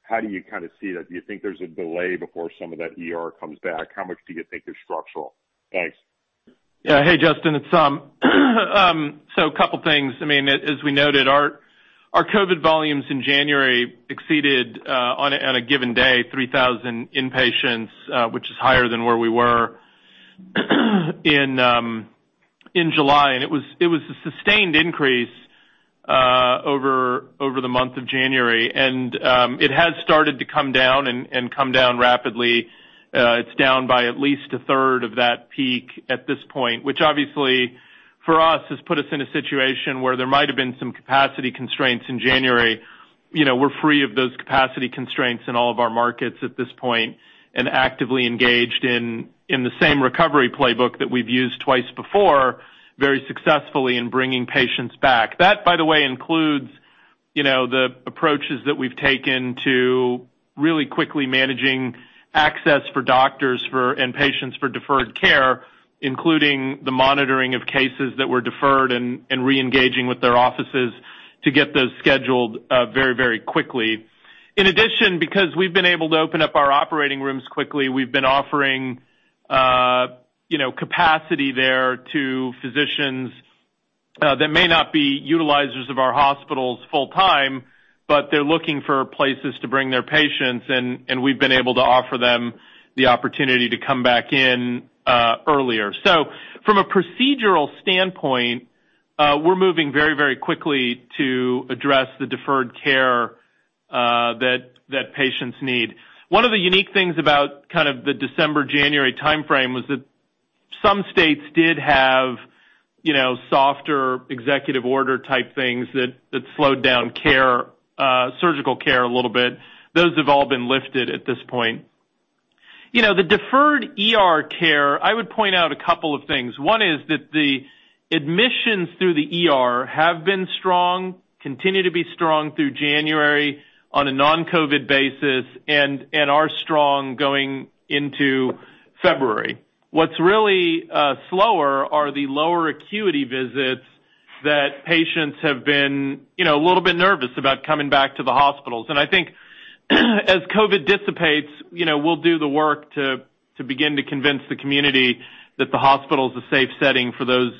how do you see that? Do you think there's a delay before some of that ER comes back? How much do you think is structural? Thanks. Yeah. Hey, Justin, it's Saum. Couple things. As we noted, our COVID volumes in January exceeded, on a given day, 3,000 inpatients, which is higher than where we were in July, and it was a sustained increase over the month of January. It has started to come down and come down rapidly. It's down by at least 1/3 of that peak at this point, which obviously for us, has put us in a situation where there might have been some capacity constraints in January. We're free of those capacity constraints in all of our markets at this point and actively engaged in the same recovery playbook that we've used twice before very successfully in bringing patients back. That, by the way, includes the approaches that we've taken to really quickly managing access for doctors and patients for deferred care, including the monitoring of cases that were deferred and re-engaging with their offices to get those scheduled very quickly. In addition, because we've been able to open up our operating rooms quickly, we've been offering capacity there to physicians that may not be utilizers of our hospitals full time. They're looking for places to bring their patients, and we've been able to offer them the opportunity to come back in earlier. From a procedural standpoint, we're moving very quickly to address the deferred care that patients need. One of the unique things about the December, January timeframe was that some states did have softer executive order type things that slowed down surgical care a little bit. Those have all been lifted at this point. The deferred ER care, I would point out a couple of things. One is that the admissions through the ER have been strong, continue to be strong through January on a non-COVID basis, and are strong going into February. What's really slower are the lower acuity visits that patients have been a little bit nervous about coming back to the hospitals. I think as COVID dissipates, we'll do the work to begin to convince the community that the hospital is a safe setting for those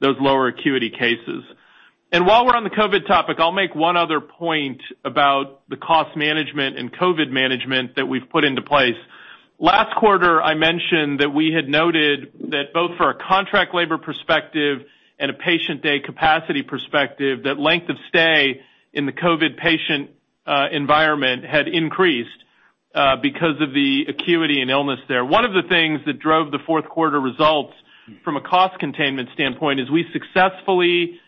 lower acuity cases. While we're on the COVID topic, I'll make one other point about the cost management and COVID management that we've put into place. Last quarter, I mentioned that we had noted that both for a contract labor perspective and a patient day capacity perspective, that length of stay in the COVID patient environment had increased because of the acuity and illness there. One of the things that drove the fourth quarter results from a cost containment standpoint is we successfully,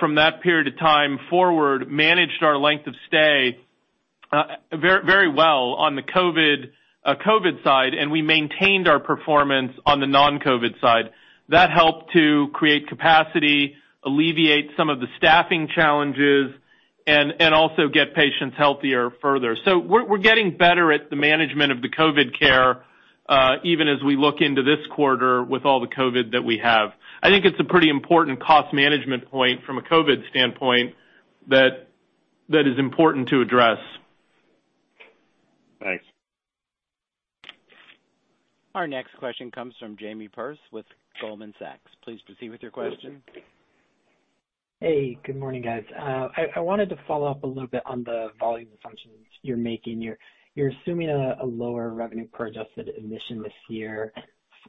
from that period of time forward, managed our length of stay very well on the COVID side, and we maintained our performance on the non-COVID side. That helped to create capacity, alleviate some of the staffing challenges, and also get patients healthier further. We're getting better at the management of the COVID care, even as we look into this quarter with all the COVID that we have. I think it's a pretty important cost management point from a COVID standpoint that is important to address. Thanks. Our next question comes from Jamie Perse with Goldman Sachs. Please proceed with your question. Hey, good morning, guys. I wanted to follow up a little bit on the volume assumptions you're making. You're assuming a lower revenue per adjusted admission this year,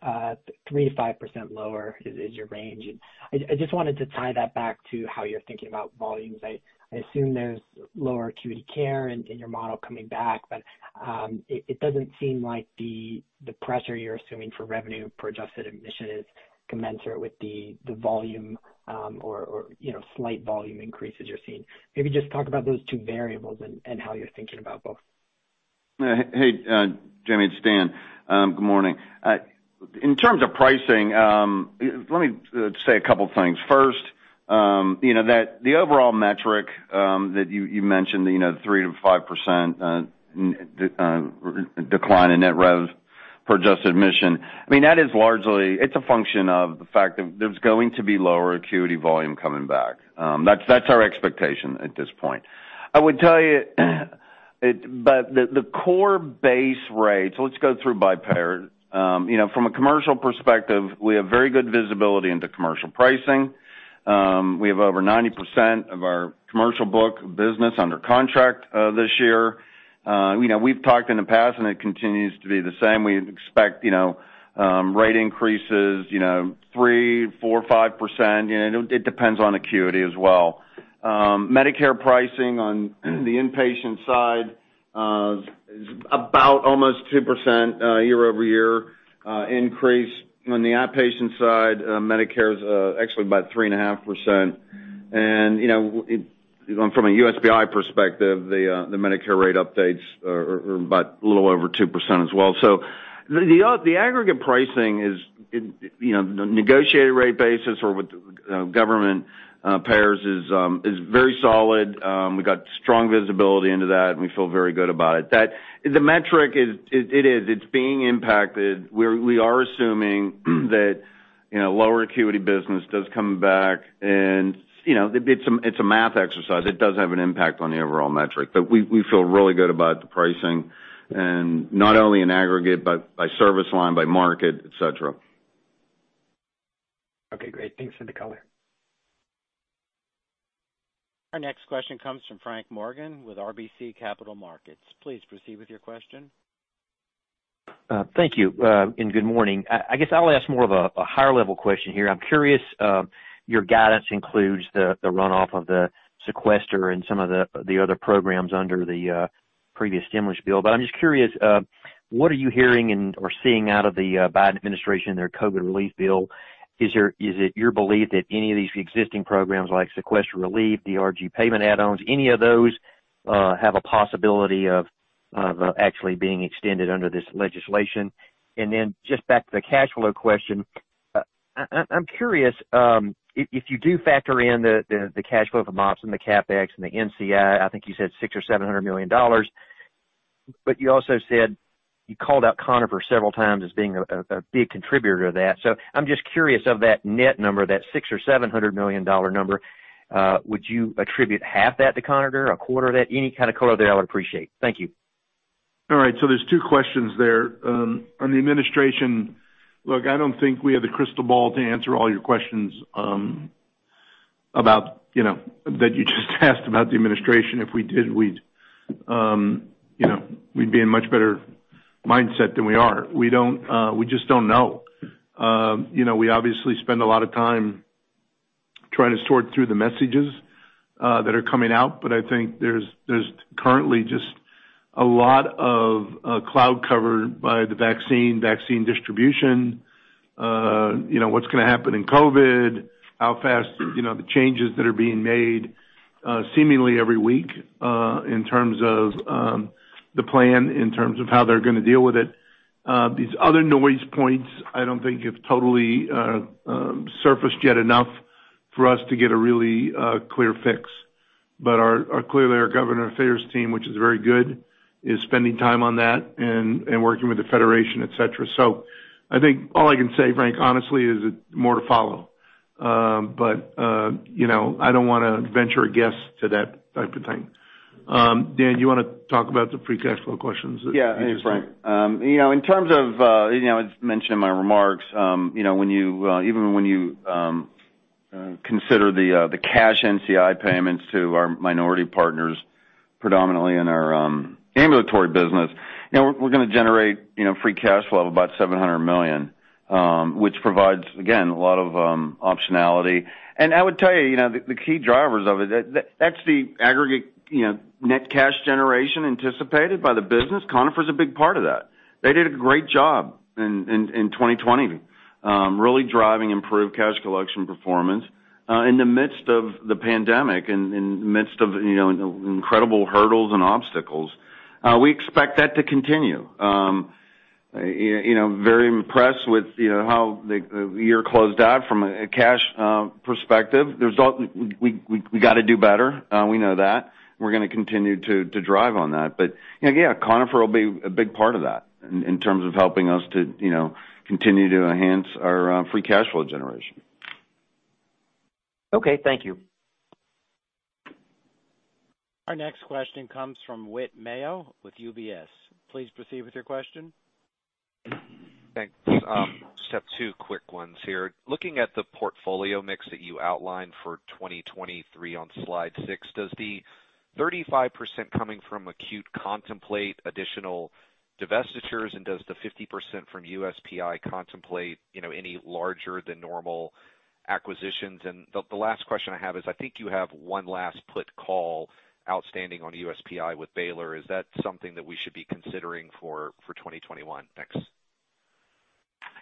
3%-5% lower is your range. I just wanted to tie that back to how you're thinking about volumes. I assume there's lower acuity care in your model coming back, but it doesn't seem like the pressure you're assuming for revenue per adjusted admission is commensurate with the volume or slight volume increases you're seeing. Maybe just talk about those two variables and how you're thinking about both. Hey, Jamie, it's Dan. Good morning. In terms of pricing, let me say a couple things. First, the overall metric that you mentioned, the 3%-5% decline in net rev per adjusted admission, it's a function of the fact that there's going to be lower acuity volume coming back. That's our expectation at this point. I would tell you, but the core base rates, let's go through by payer. From a commercial perspective, we have very good visibility into commercial pricing. We have over 90% of our commercial book business under contract this year. We've talked in the past, and it continues to be the same. We expect rate increases 3%, 4%, 5%. It depends on acuity as well. Medicare pricing on the inpatient side is about almost 2% year-over-year increase. On the outpatient side, Medicare is actually about 3.5%. From a USPI perspective, the Medicare rate updates are about a little over 2% as well. The aggregate pricing is the negotiated rate basis or with government payers is very solid. We got strong visibility into that, and we feel very good about it. The metric, it's being impacted. We are assuming that lower acuity business does come back, and it's a math exercise. It does have an impact on the overall metric, but we feel really good about the pricing, and not only in aggregate, but by service line, by market, et cetera. Okay, great. Thanks for the color. Our next question comes from Frank Morgan with RBC Capital Markets. Please proceed with your question. Thank you, and good morning. I guess I'll ask more of a higher-level question here. I'm curious, your guidance includes the runoff of the sequester and some of the other programs under the previous stimulus bill. I'm just curious, what are you hearing or seeing out of the Biden administration and their COVID relief bill? Is it your belief that any of these existing programs like sequester relief, DRG payment add-ons, any of those, have a possibility of actually being extended under this legislation? Then just back to the cash flow question. I'm curious, if you do factor in the cash flow from ops and the CapEx and the NCI, I think you said $600 million or $700 million, but you also said you called out Conifer several times as being a big contributor to that. I'm just curious of that net number, that $600 million or $700 million number, would you attribute half that to Conifer? A quarter of that? Any kind of color there, I would appreciate. Thank you. All right, there's two questions there. On the administration, look, I don't think we have the crystal ball to answer all your questions that you just asked about the administration. If we did, we'd be in much better mindset than we are. We just don't know. We obviously spend a lot of time trying to sort through the messages that are coming out, I think there's currently just a lot of cloud cover by the vaccine distribution, what's going to happen in COVID, how fast the changes that are being made seemingly every week in terms of the plan, in terms of how they're going to deal with it. These other noise points, I don't think have totally surfaced yet enough for us to get a really clear fix. Clearly our government affairs team, which is very good, is spending time on that and working with the federation, et cetera. I think all I can say, Frank, honestly, is more to follow. I don't want to venture a guess to that type of thing. Dan, do you want to talk about the free cash flow questions that. Hey, Frank. In terms of, as mentioned in my remarks, even when you consider the cash NCI payments to our minority partners, predominantly in our ambulatory business, we're going to generate free cash flow of about $700 million, which provides, again, a lot of optionality. I would tell you, the key drivers of it, that's the aggregate net cash generation anticipated by the business. Conifer is a big part of that. They did a great job in 2020, really driving improved cash collection performance in the midst of the pandemic, in midst of incredible hurdles and obstacles. We expect that to continue. Very impressed with how the year closed out from a cash perspective. We got to do better. We know that. We're going to continue to drive on that. Yeah, Conifer will be a big part of that in terms of helping us to continue to enhance our free cash flow generation. Okay, thank you. Our next question comes from Whit Mayo with UBS. Please proceed with your question. Thanks. Just have two quick ones here. Looking at the portfolio mix that you outlined for 2023 on slide six, does the 35% coming from acute contemplate additional divestitures? Does the 50% from USPI contemplate any larger than normal acquisitions? The last question I have is, I think you have one last put call outstanding on USPI with Baylor. Is that something that we should be considering for 2021? Thanks.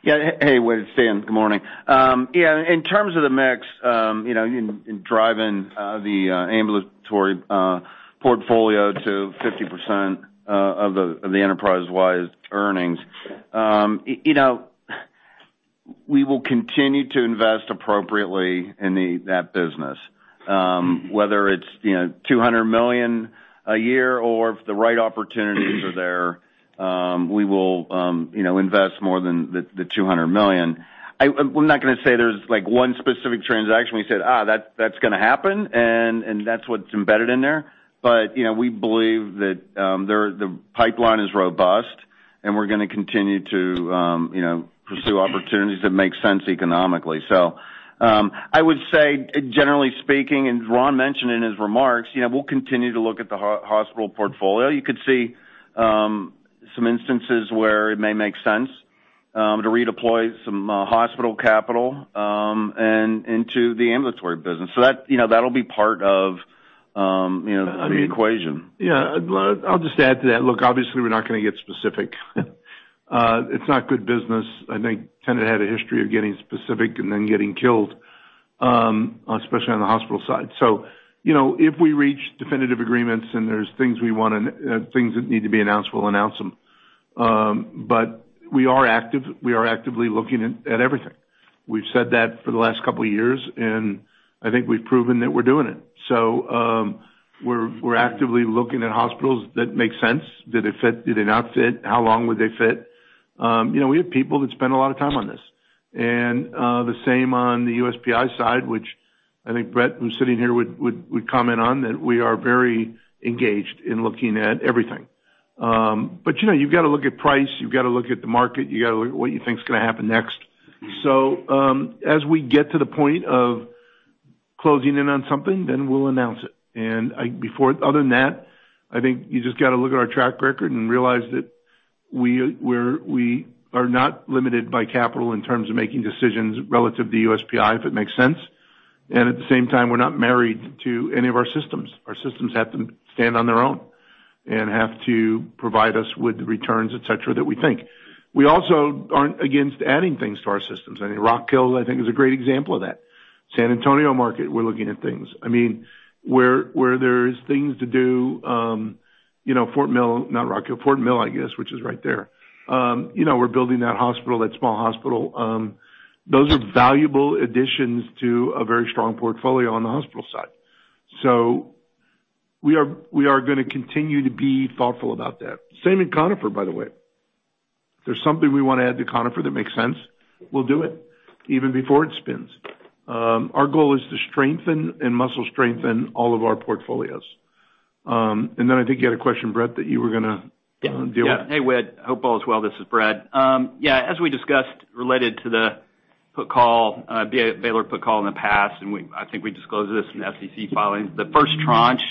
Hey, Whit, it's Dan. Good morning. In terms of the mix, in driving the ambulatory portfolio to 50% of the enterprise-wide earnings. We will continue to invest appropriately in that business. Whether it's $200 million a year or if the right opportunities are there, we will invest more than the $200 million. I'm not going to say there's one specific transaction we said, "that's going to happen," and that's what's embedded in there. We believe that the pipeline is robust, and we're going to continue to pursue opportunities that make sense economically. I would say, generally speaking, and Ron mentioned in his remarks, we'll continue to look at the hospital portfolio. You could see some instances where it may make sense to redeploy some hospital capital into the ambulatory business. That'll be part of the equation. Yeah. I'll just add to that. Look, obviously, we're not going to get specific. It's not good business. I think Tenet had a history of getting specific and then getting killed, especially on the hospital side. If we reach definitive agreements and there's things that need to be announced, we'll announce them. We are active. We are actively looking at everything. We've said that for the last couple of years, and I think we've proven that we're doing it. We're actively looking at hospitals that make sense. Do they fit? Do they not fit? How long would they fit? We have people that spend a lot of time on this. The same on the USPI side, which I think Brett, who's sitting here, would comment on, that we are very engaged in looking at everything. You've got to look at price, you've got to look at the market, you've got to look at what you think is going to happen next. As we get to the point of closing in on something, then we'll announce it. Other than that, I think you just got to look at our track record and realize that we are not limited by capital in terms of making decisions relative to USPI, if it makes sense. At the same time, we're not married to any of our systems. Our systems have to stand on their own and have to provide us with the returns, et cetera, that we think. We also aren't against adding things to our systems. I think Rock Hill, I think is a great example of that. San Antonio market, we're looking at things. Where there's things to do, Fort Mill, not Rock Hill, Fort Mill, I guess, which is right there. We're building that hospital, that small hospital. Those are valuable additions to a very strong portfolio on the hospital side. We are going to continue to be thoughtful about that. Same in Conifer, by the way. If there's something we want to add to Conifer that makes sense, we'll do it even before it spins. Our goal is to strengthen and muscle strengthen all of our portfolios. I think you had a question, Brett, that you were going to deal with. Hey, Whit. Hope all is well. This is Brett. As we discussed, related to the Baylor put/call in the past, and I think we disclosed this in the SEC filing, the first tranche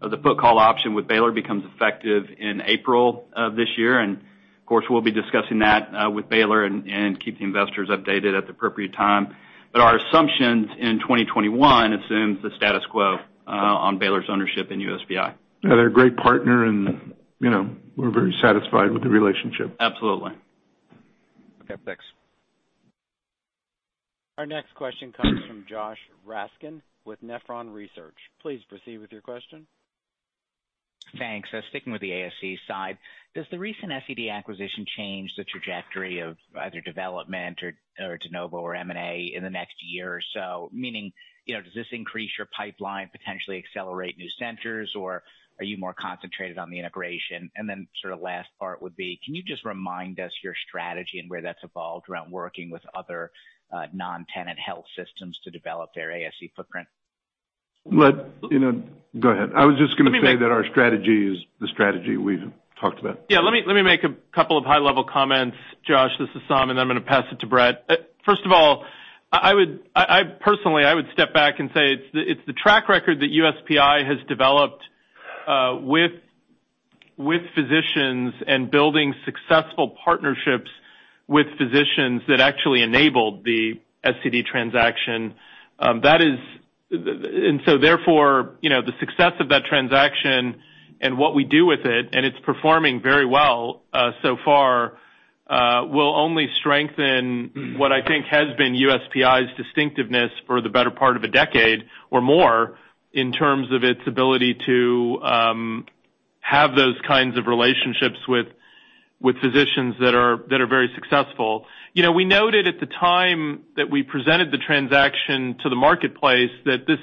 of the put/call option with Baylor becomes effective in April of this year, and of course, we'll be discussing that with Baylor and keep the investors updated at the appropriate time. Our assumptions in 2021 assumes the status quo on Baylor's ownership in USPI. Yeah, they're a great partner, and we're very satisfied with the relationship. Absolutely. Okay, thanks. Our next question comes from Josh Raskin with Nephron Research. Please proceed with your question. Thanks. Sticking with the ASC side, does the recent SCD acquisition change the trajectory of either development or de novo or M&A in the next year or so? Meaning, does this increase your pipeline, potentially accelerate new centers, or are you more concentrated on the integration? Last part would be, can you just remind us your strategy and where that's evolved around working with other non-Tenet health systems to develop their ASC footprint? Go ahead. I was just going to say that our strategy is the strategy we've talked about. Yeah, let me make a couple of high-level comments, Josh. This is Saum, and then I'm going to pass it to Brett. First of all, personally, I would step back and say it's the track record that USPI has developed with physicians and building successful partnerships with physicians that actually enabled the SCD transaction. Therefore, the success of that transaction and what we do with it, and it's performing very well so far, will only strengthen what I think has been USPI's distinctiveness for the better part of a decade or more in terms of its ability to have those kinds of relationships with physicians that are very successful. We noted at the time that we presented the transaction to the marketplace that this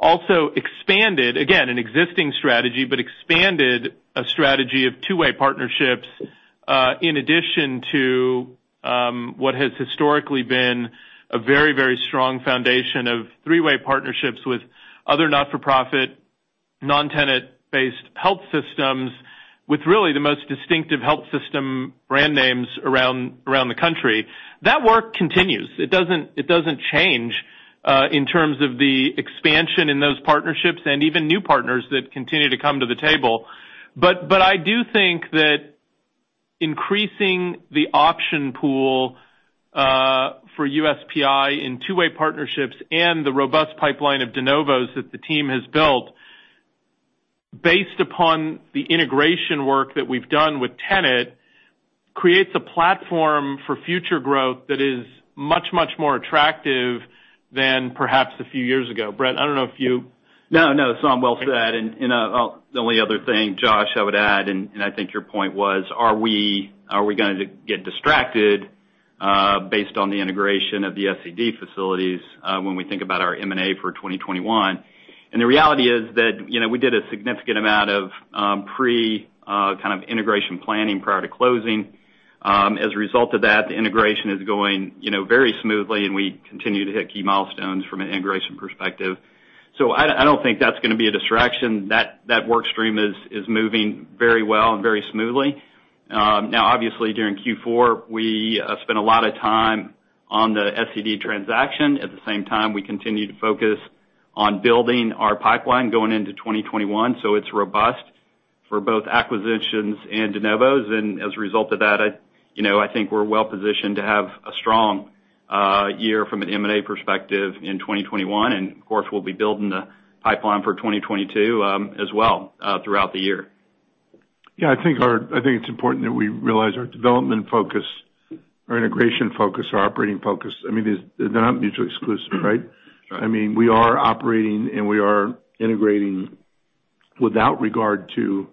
also expanded, again, an existing strategy, but expanded a strategy of two-way partnerships, in addition to what has historically been a very, very strong foundation of three-way partnerships with other not-for-profit, non-Tenet-based health systems with really the most distinctive health system brand names around the country. That work continues. It doesn't change in terms of the expansion in those partnerships and even new partners that continue to come to the table. I do think that increasing the option pool for USPI in two-way partnerships and the robust pipeline of de novos that the team has built based upon the integration work that we've done with Tenet, creates a platform for future growth that is much, much more attractive than perhaps a few years ago. Brett, I don't know if you No, Saum. Well said. The only other thing, Josh, I would add, and I think your point was, are we going to get distracted based on the integration of the SCD facilities when we think about our M&A for 2021? The reality is that we did a significant amount of pre-integration planning prior to closing. As a result of that, the integration is going very smoothly, and we continue to hit key milestones from an integration perspective. I don't think that's going to be a distraction. That workstream is moving very well and very smoothly. Now, obviously, during Q4, we spent a lot of time on the SCD transaction. At the same time, we continued to focus on building our pipeline going into 2021, so it's robust for both acquisitions and de novos. As a result of that, I think we're well positioned to have a strong year from an M&A perspective in 2021. Of course, we'll be building the pipeline for 2022 as well throughout the year. Yeah, I think it's important that we realize our development focus, our integration focus, our operating focus, they're not mutually exclusive, right? Sure. We are operating, and we are integrating without regard to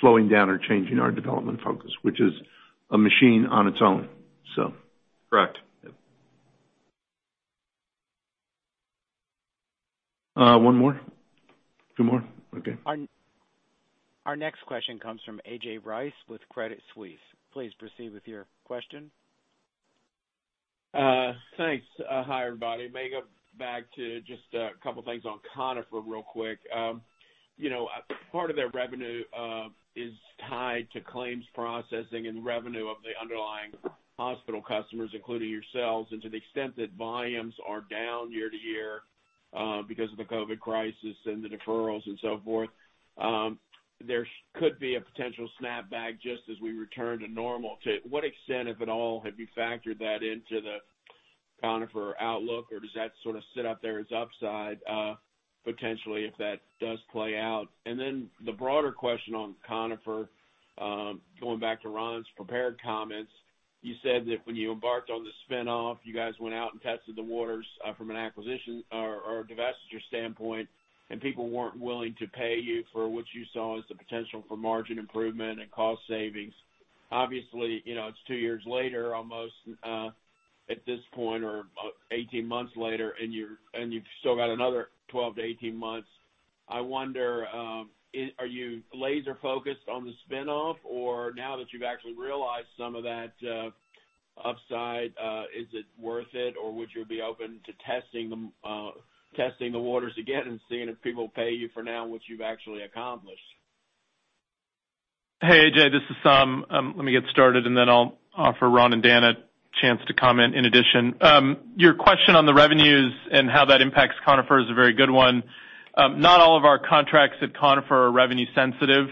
slowing down or changing our development focus, which is a machine on its own. Correct. One more? Two more? Okay. Our next question comes from A.J. Rice with Credit Suisse. Please proceed with your question. Thanks. Hi, everybody. May go back to just a couple things on Conifer real quick. Part of their revenue is tied to claims processing and revenue of the underlying hospital customers, including yourselves. To the extent that volumes are down year-to-year because of the COVID crisis and the deferrals and so forth, there could be a potential snapback just as we return to normal. To what extent, if at all, have you factored that into the Conifer outlook, or does that sort of sit up there as upside potentially if that does play out? The broader question on Conifer, going back to Ron's prepared comments, you said that when you embarked on the spin-off, you guys went out and tested the waters from an acquisition or a divestiture standpoint, and people weren't willing to pay you for what you saw as the potential for margin improvement and cost savings. Obviously, it's two years later almost at this point, or 18 months later, and you've still got another 12-18 months. I wonder, are you laser focused on the spin-off? Now that you've actually realized some of that upside, is it worth it? Would you be open to testing the waters again and seeing if people pay you for now, what you've actually accomplished? Hey, A.J., this is Saum. Let me get started, then I'll offer Ron and Dan a chance to comment in addition. Your question on the revenues and how that impacts Conifer is a very good one. Not all of our contracts at Conifer are revenue sensitive.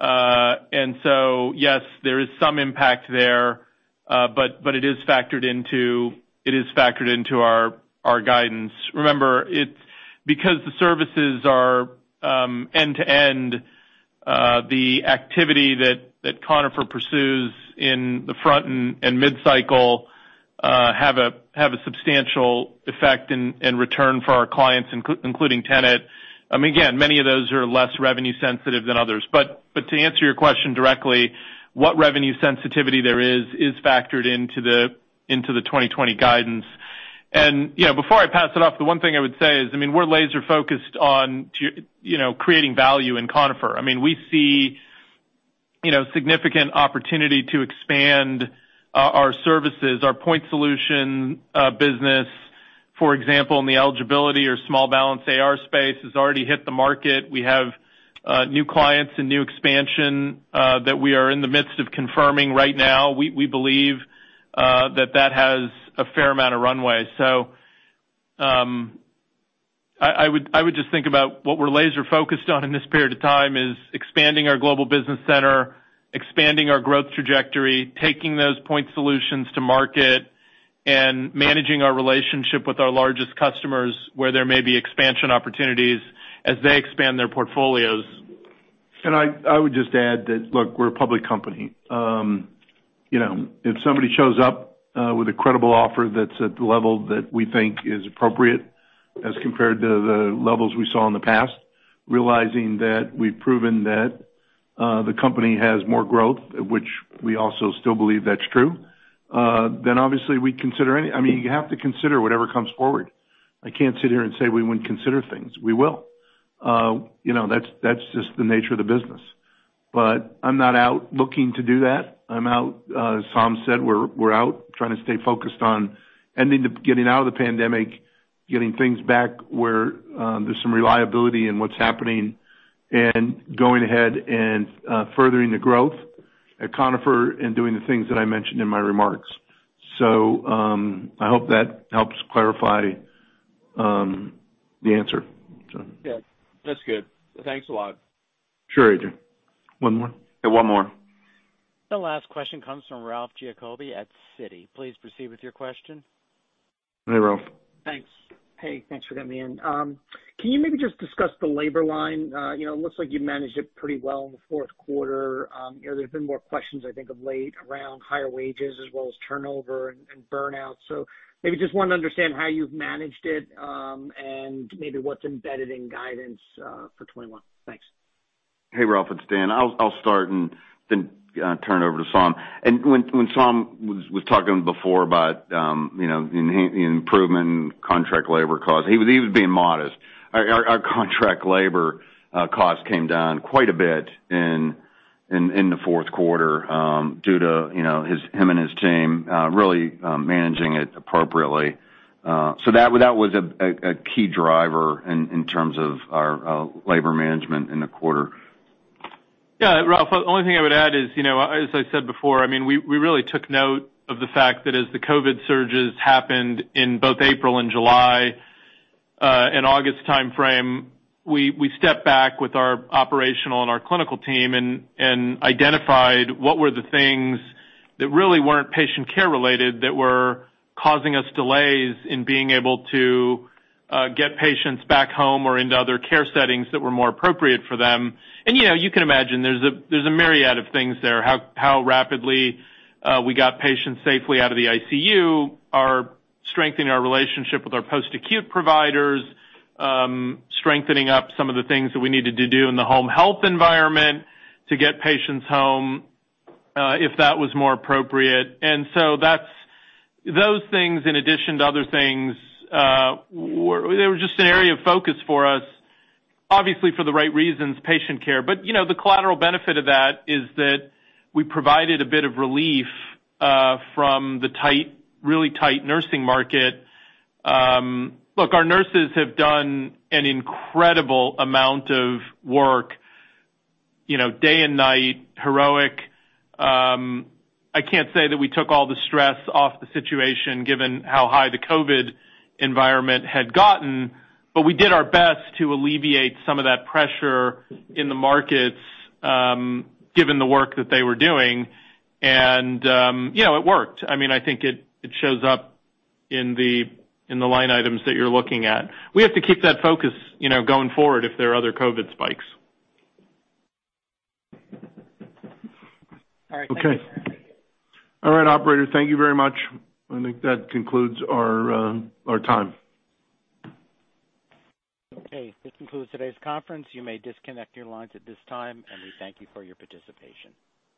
Yes, there is some impact there. It is factored into our guidance. Remember, because the services are end-to-end, the activity that Conifer pursues in the front and mid-cycle, have a substantial effect in return for our clients, including Tenet. Again, many of those are less revenue sensitive than others. To answer your question directly, what revenue sensitivity there is factored into the 2020 guidance. Before I pass it off, the one thing I would say is, we're laser focused on creating value in Conifer. We see significant opportunity to expand our services, our point solution business, for example, in the eligibility or small balance AR space has already hit the market. We have new clients and new expansion that we are in the midst of confirming right now. We believe that that has a fair amount of runway. I would just think about what we're laser focused on in this period of time is expanding our Global Business Center, expanding our growth trajectory, taking those point solutions to market, and managing our relationship with our largest customers where there may be expansion opportunities as they expand their portfolios. I would just add that, look, we're a public company. If somebody shows up with a credible offer that's at the level that we think is appropriate as compared to the levels we saw in the past, realizing that we've proven that the company has more growth, which we also still believe that's true, then obviously we'd consider You have to consider whatever comes forward. I can't sit here and say we wouldn't consider things. We will. That's just the nature of the business. I'm not out looking to do that. As Saum said, we're out trying to stay focused on getting out of the pandemic, getting things back where there's some reliability in what's happening, and going ahead and furthering the growth at Conifer and doing the things that I mentioned in my remarks. I hope that helps clarify the answer. Yeah. That's good. Thanks a lot. Sure, A.J. One more? Yeah, one more. The last question comes from Ralph Giacobbe at Citi. Please proceed with your question. Hey, Ralph. Thanks. Hey, thanks for getting me in. Can you maybe just discuss the labor line? It looks like you managed it pretty well in the fourth quarter. There's been more questions, I think, of late, around higher wages as well as turnover and burnout. Maybe just want to understand how you've managed it, and maybe what's embedded in guidance for 2021. Thanks. Hey, Ralph. It's Dan. I'll start and then turn it over to Saum. When Saum was talking before about the improvement in contract labor costs, he was being modest. Our contract labor costs came down quite a bit in the fourth quarter due to him and his team really managing it appropriately. That was a key driver in terms of our labor management in the quarter. Ralph, the only thing I would add is, as I said before, we really took note of the fact that as the COVID surges happened in both April and July and August timeframe, we stepped back with our operational and our clinical team and identified what were the things that really weren't patient care related that were causing us delays in being able to get patients back home or into other care settings that were more appropriate for them. You can imagine there's a myriad of things there. How rapidly we got patients safely out of the ICU, our strengthening our relationship with our post-acute providers, strengthening up some of the things that we needed to do in the home health environment to get patients home if that was more appropriate. Those things, in addition to other things, they were just an area of focus for us, obviously for the right reasons, patient care. The collateral benefit of that is that we provided a bit of relief from the really tight nursing market. Our nurses have done an incredible amount of work, day and night, heroic. I can't say that we took all the stress off the situation, given how high the COVID environment had gotten. We did our best to alleviate some of that pressure in the markets given the work that they were doing. It worked. I think it shows up in the line items that you're looking at. We have to keep that focus going forward if there are other COVID spikes. All right. Thank you. Okay. All right, operator, thank you very much. I think that concludes our time. Okay. This concludes today's conference. You may disconnect your lines at this time, and we thank you for your participation.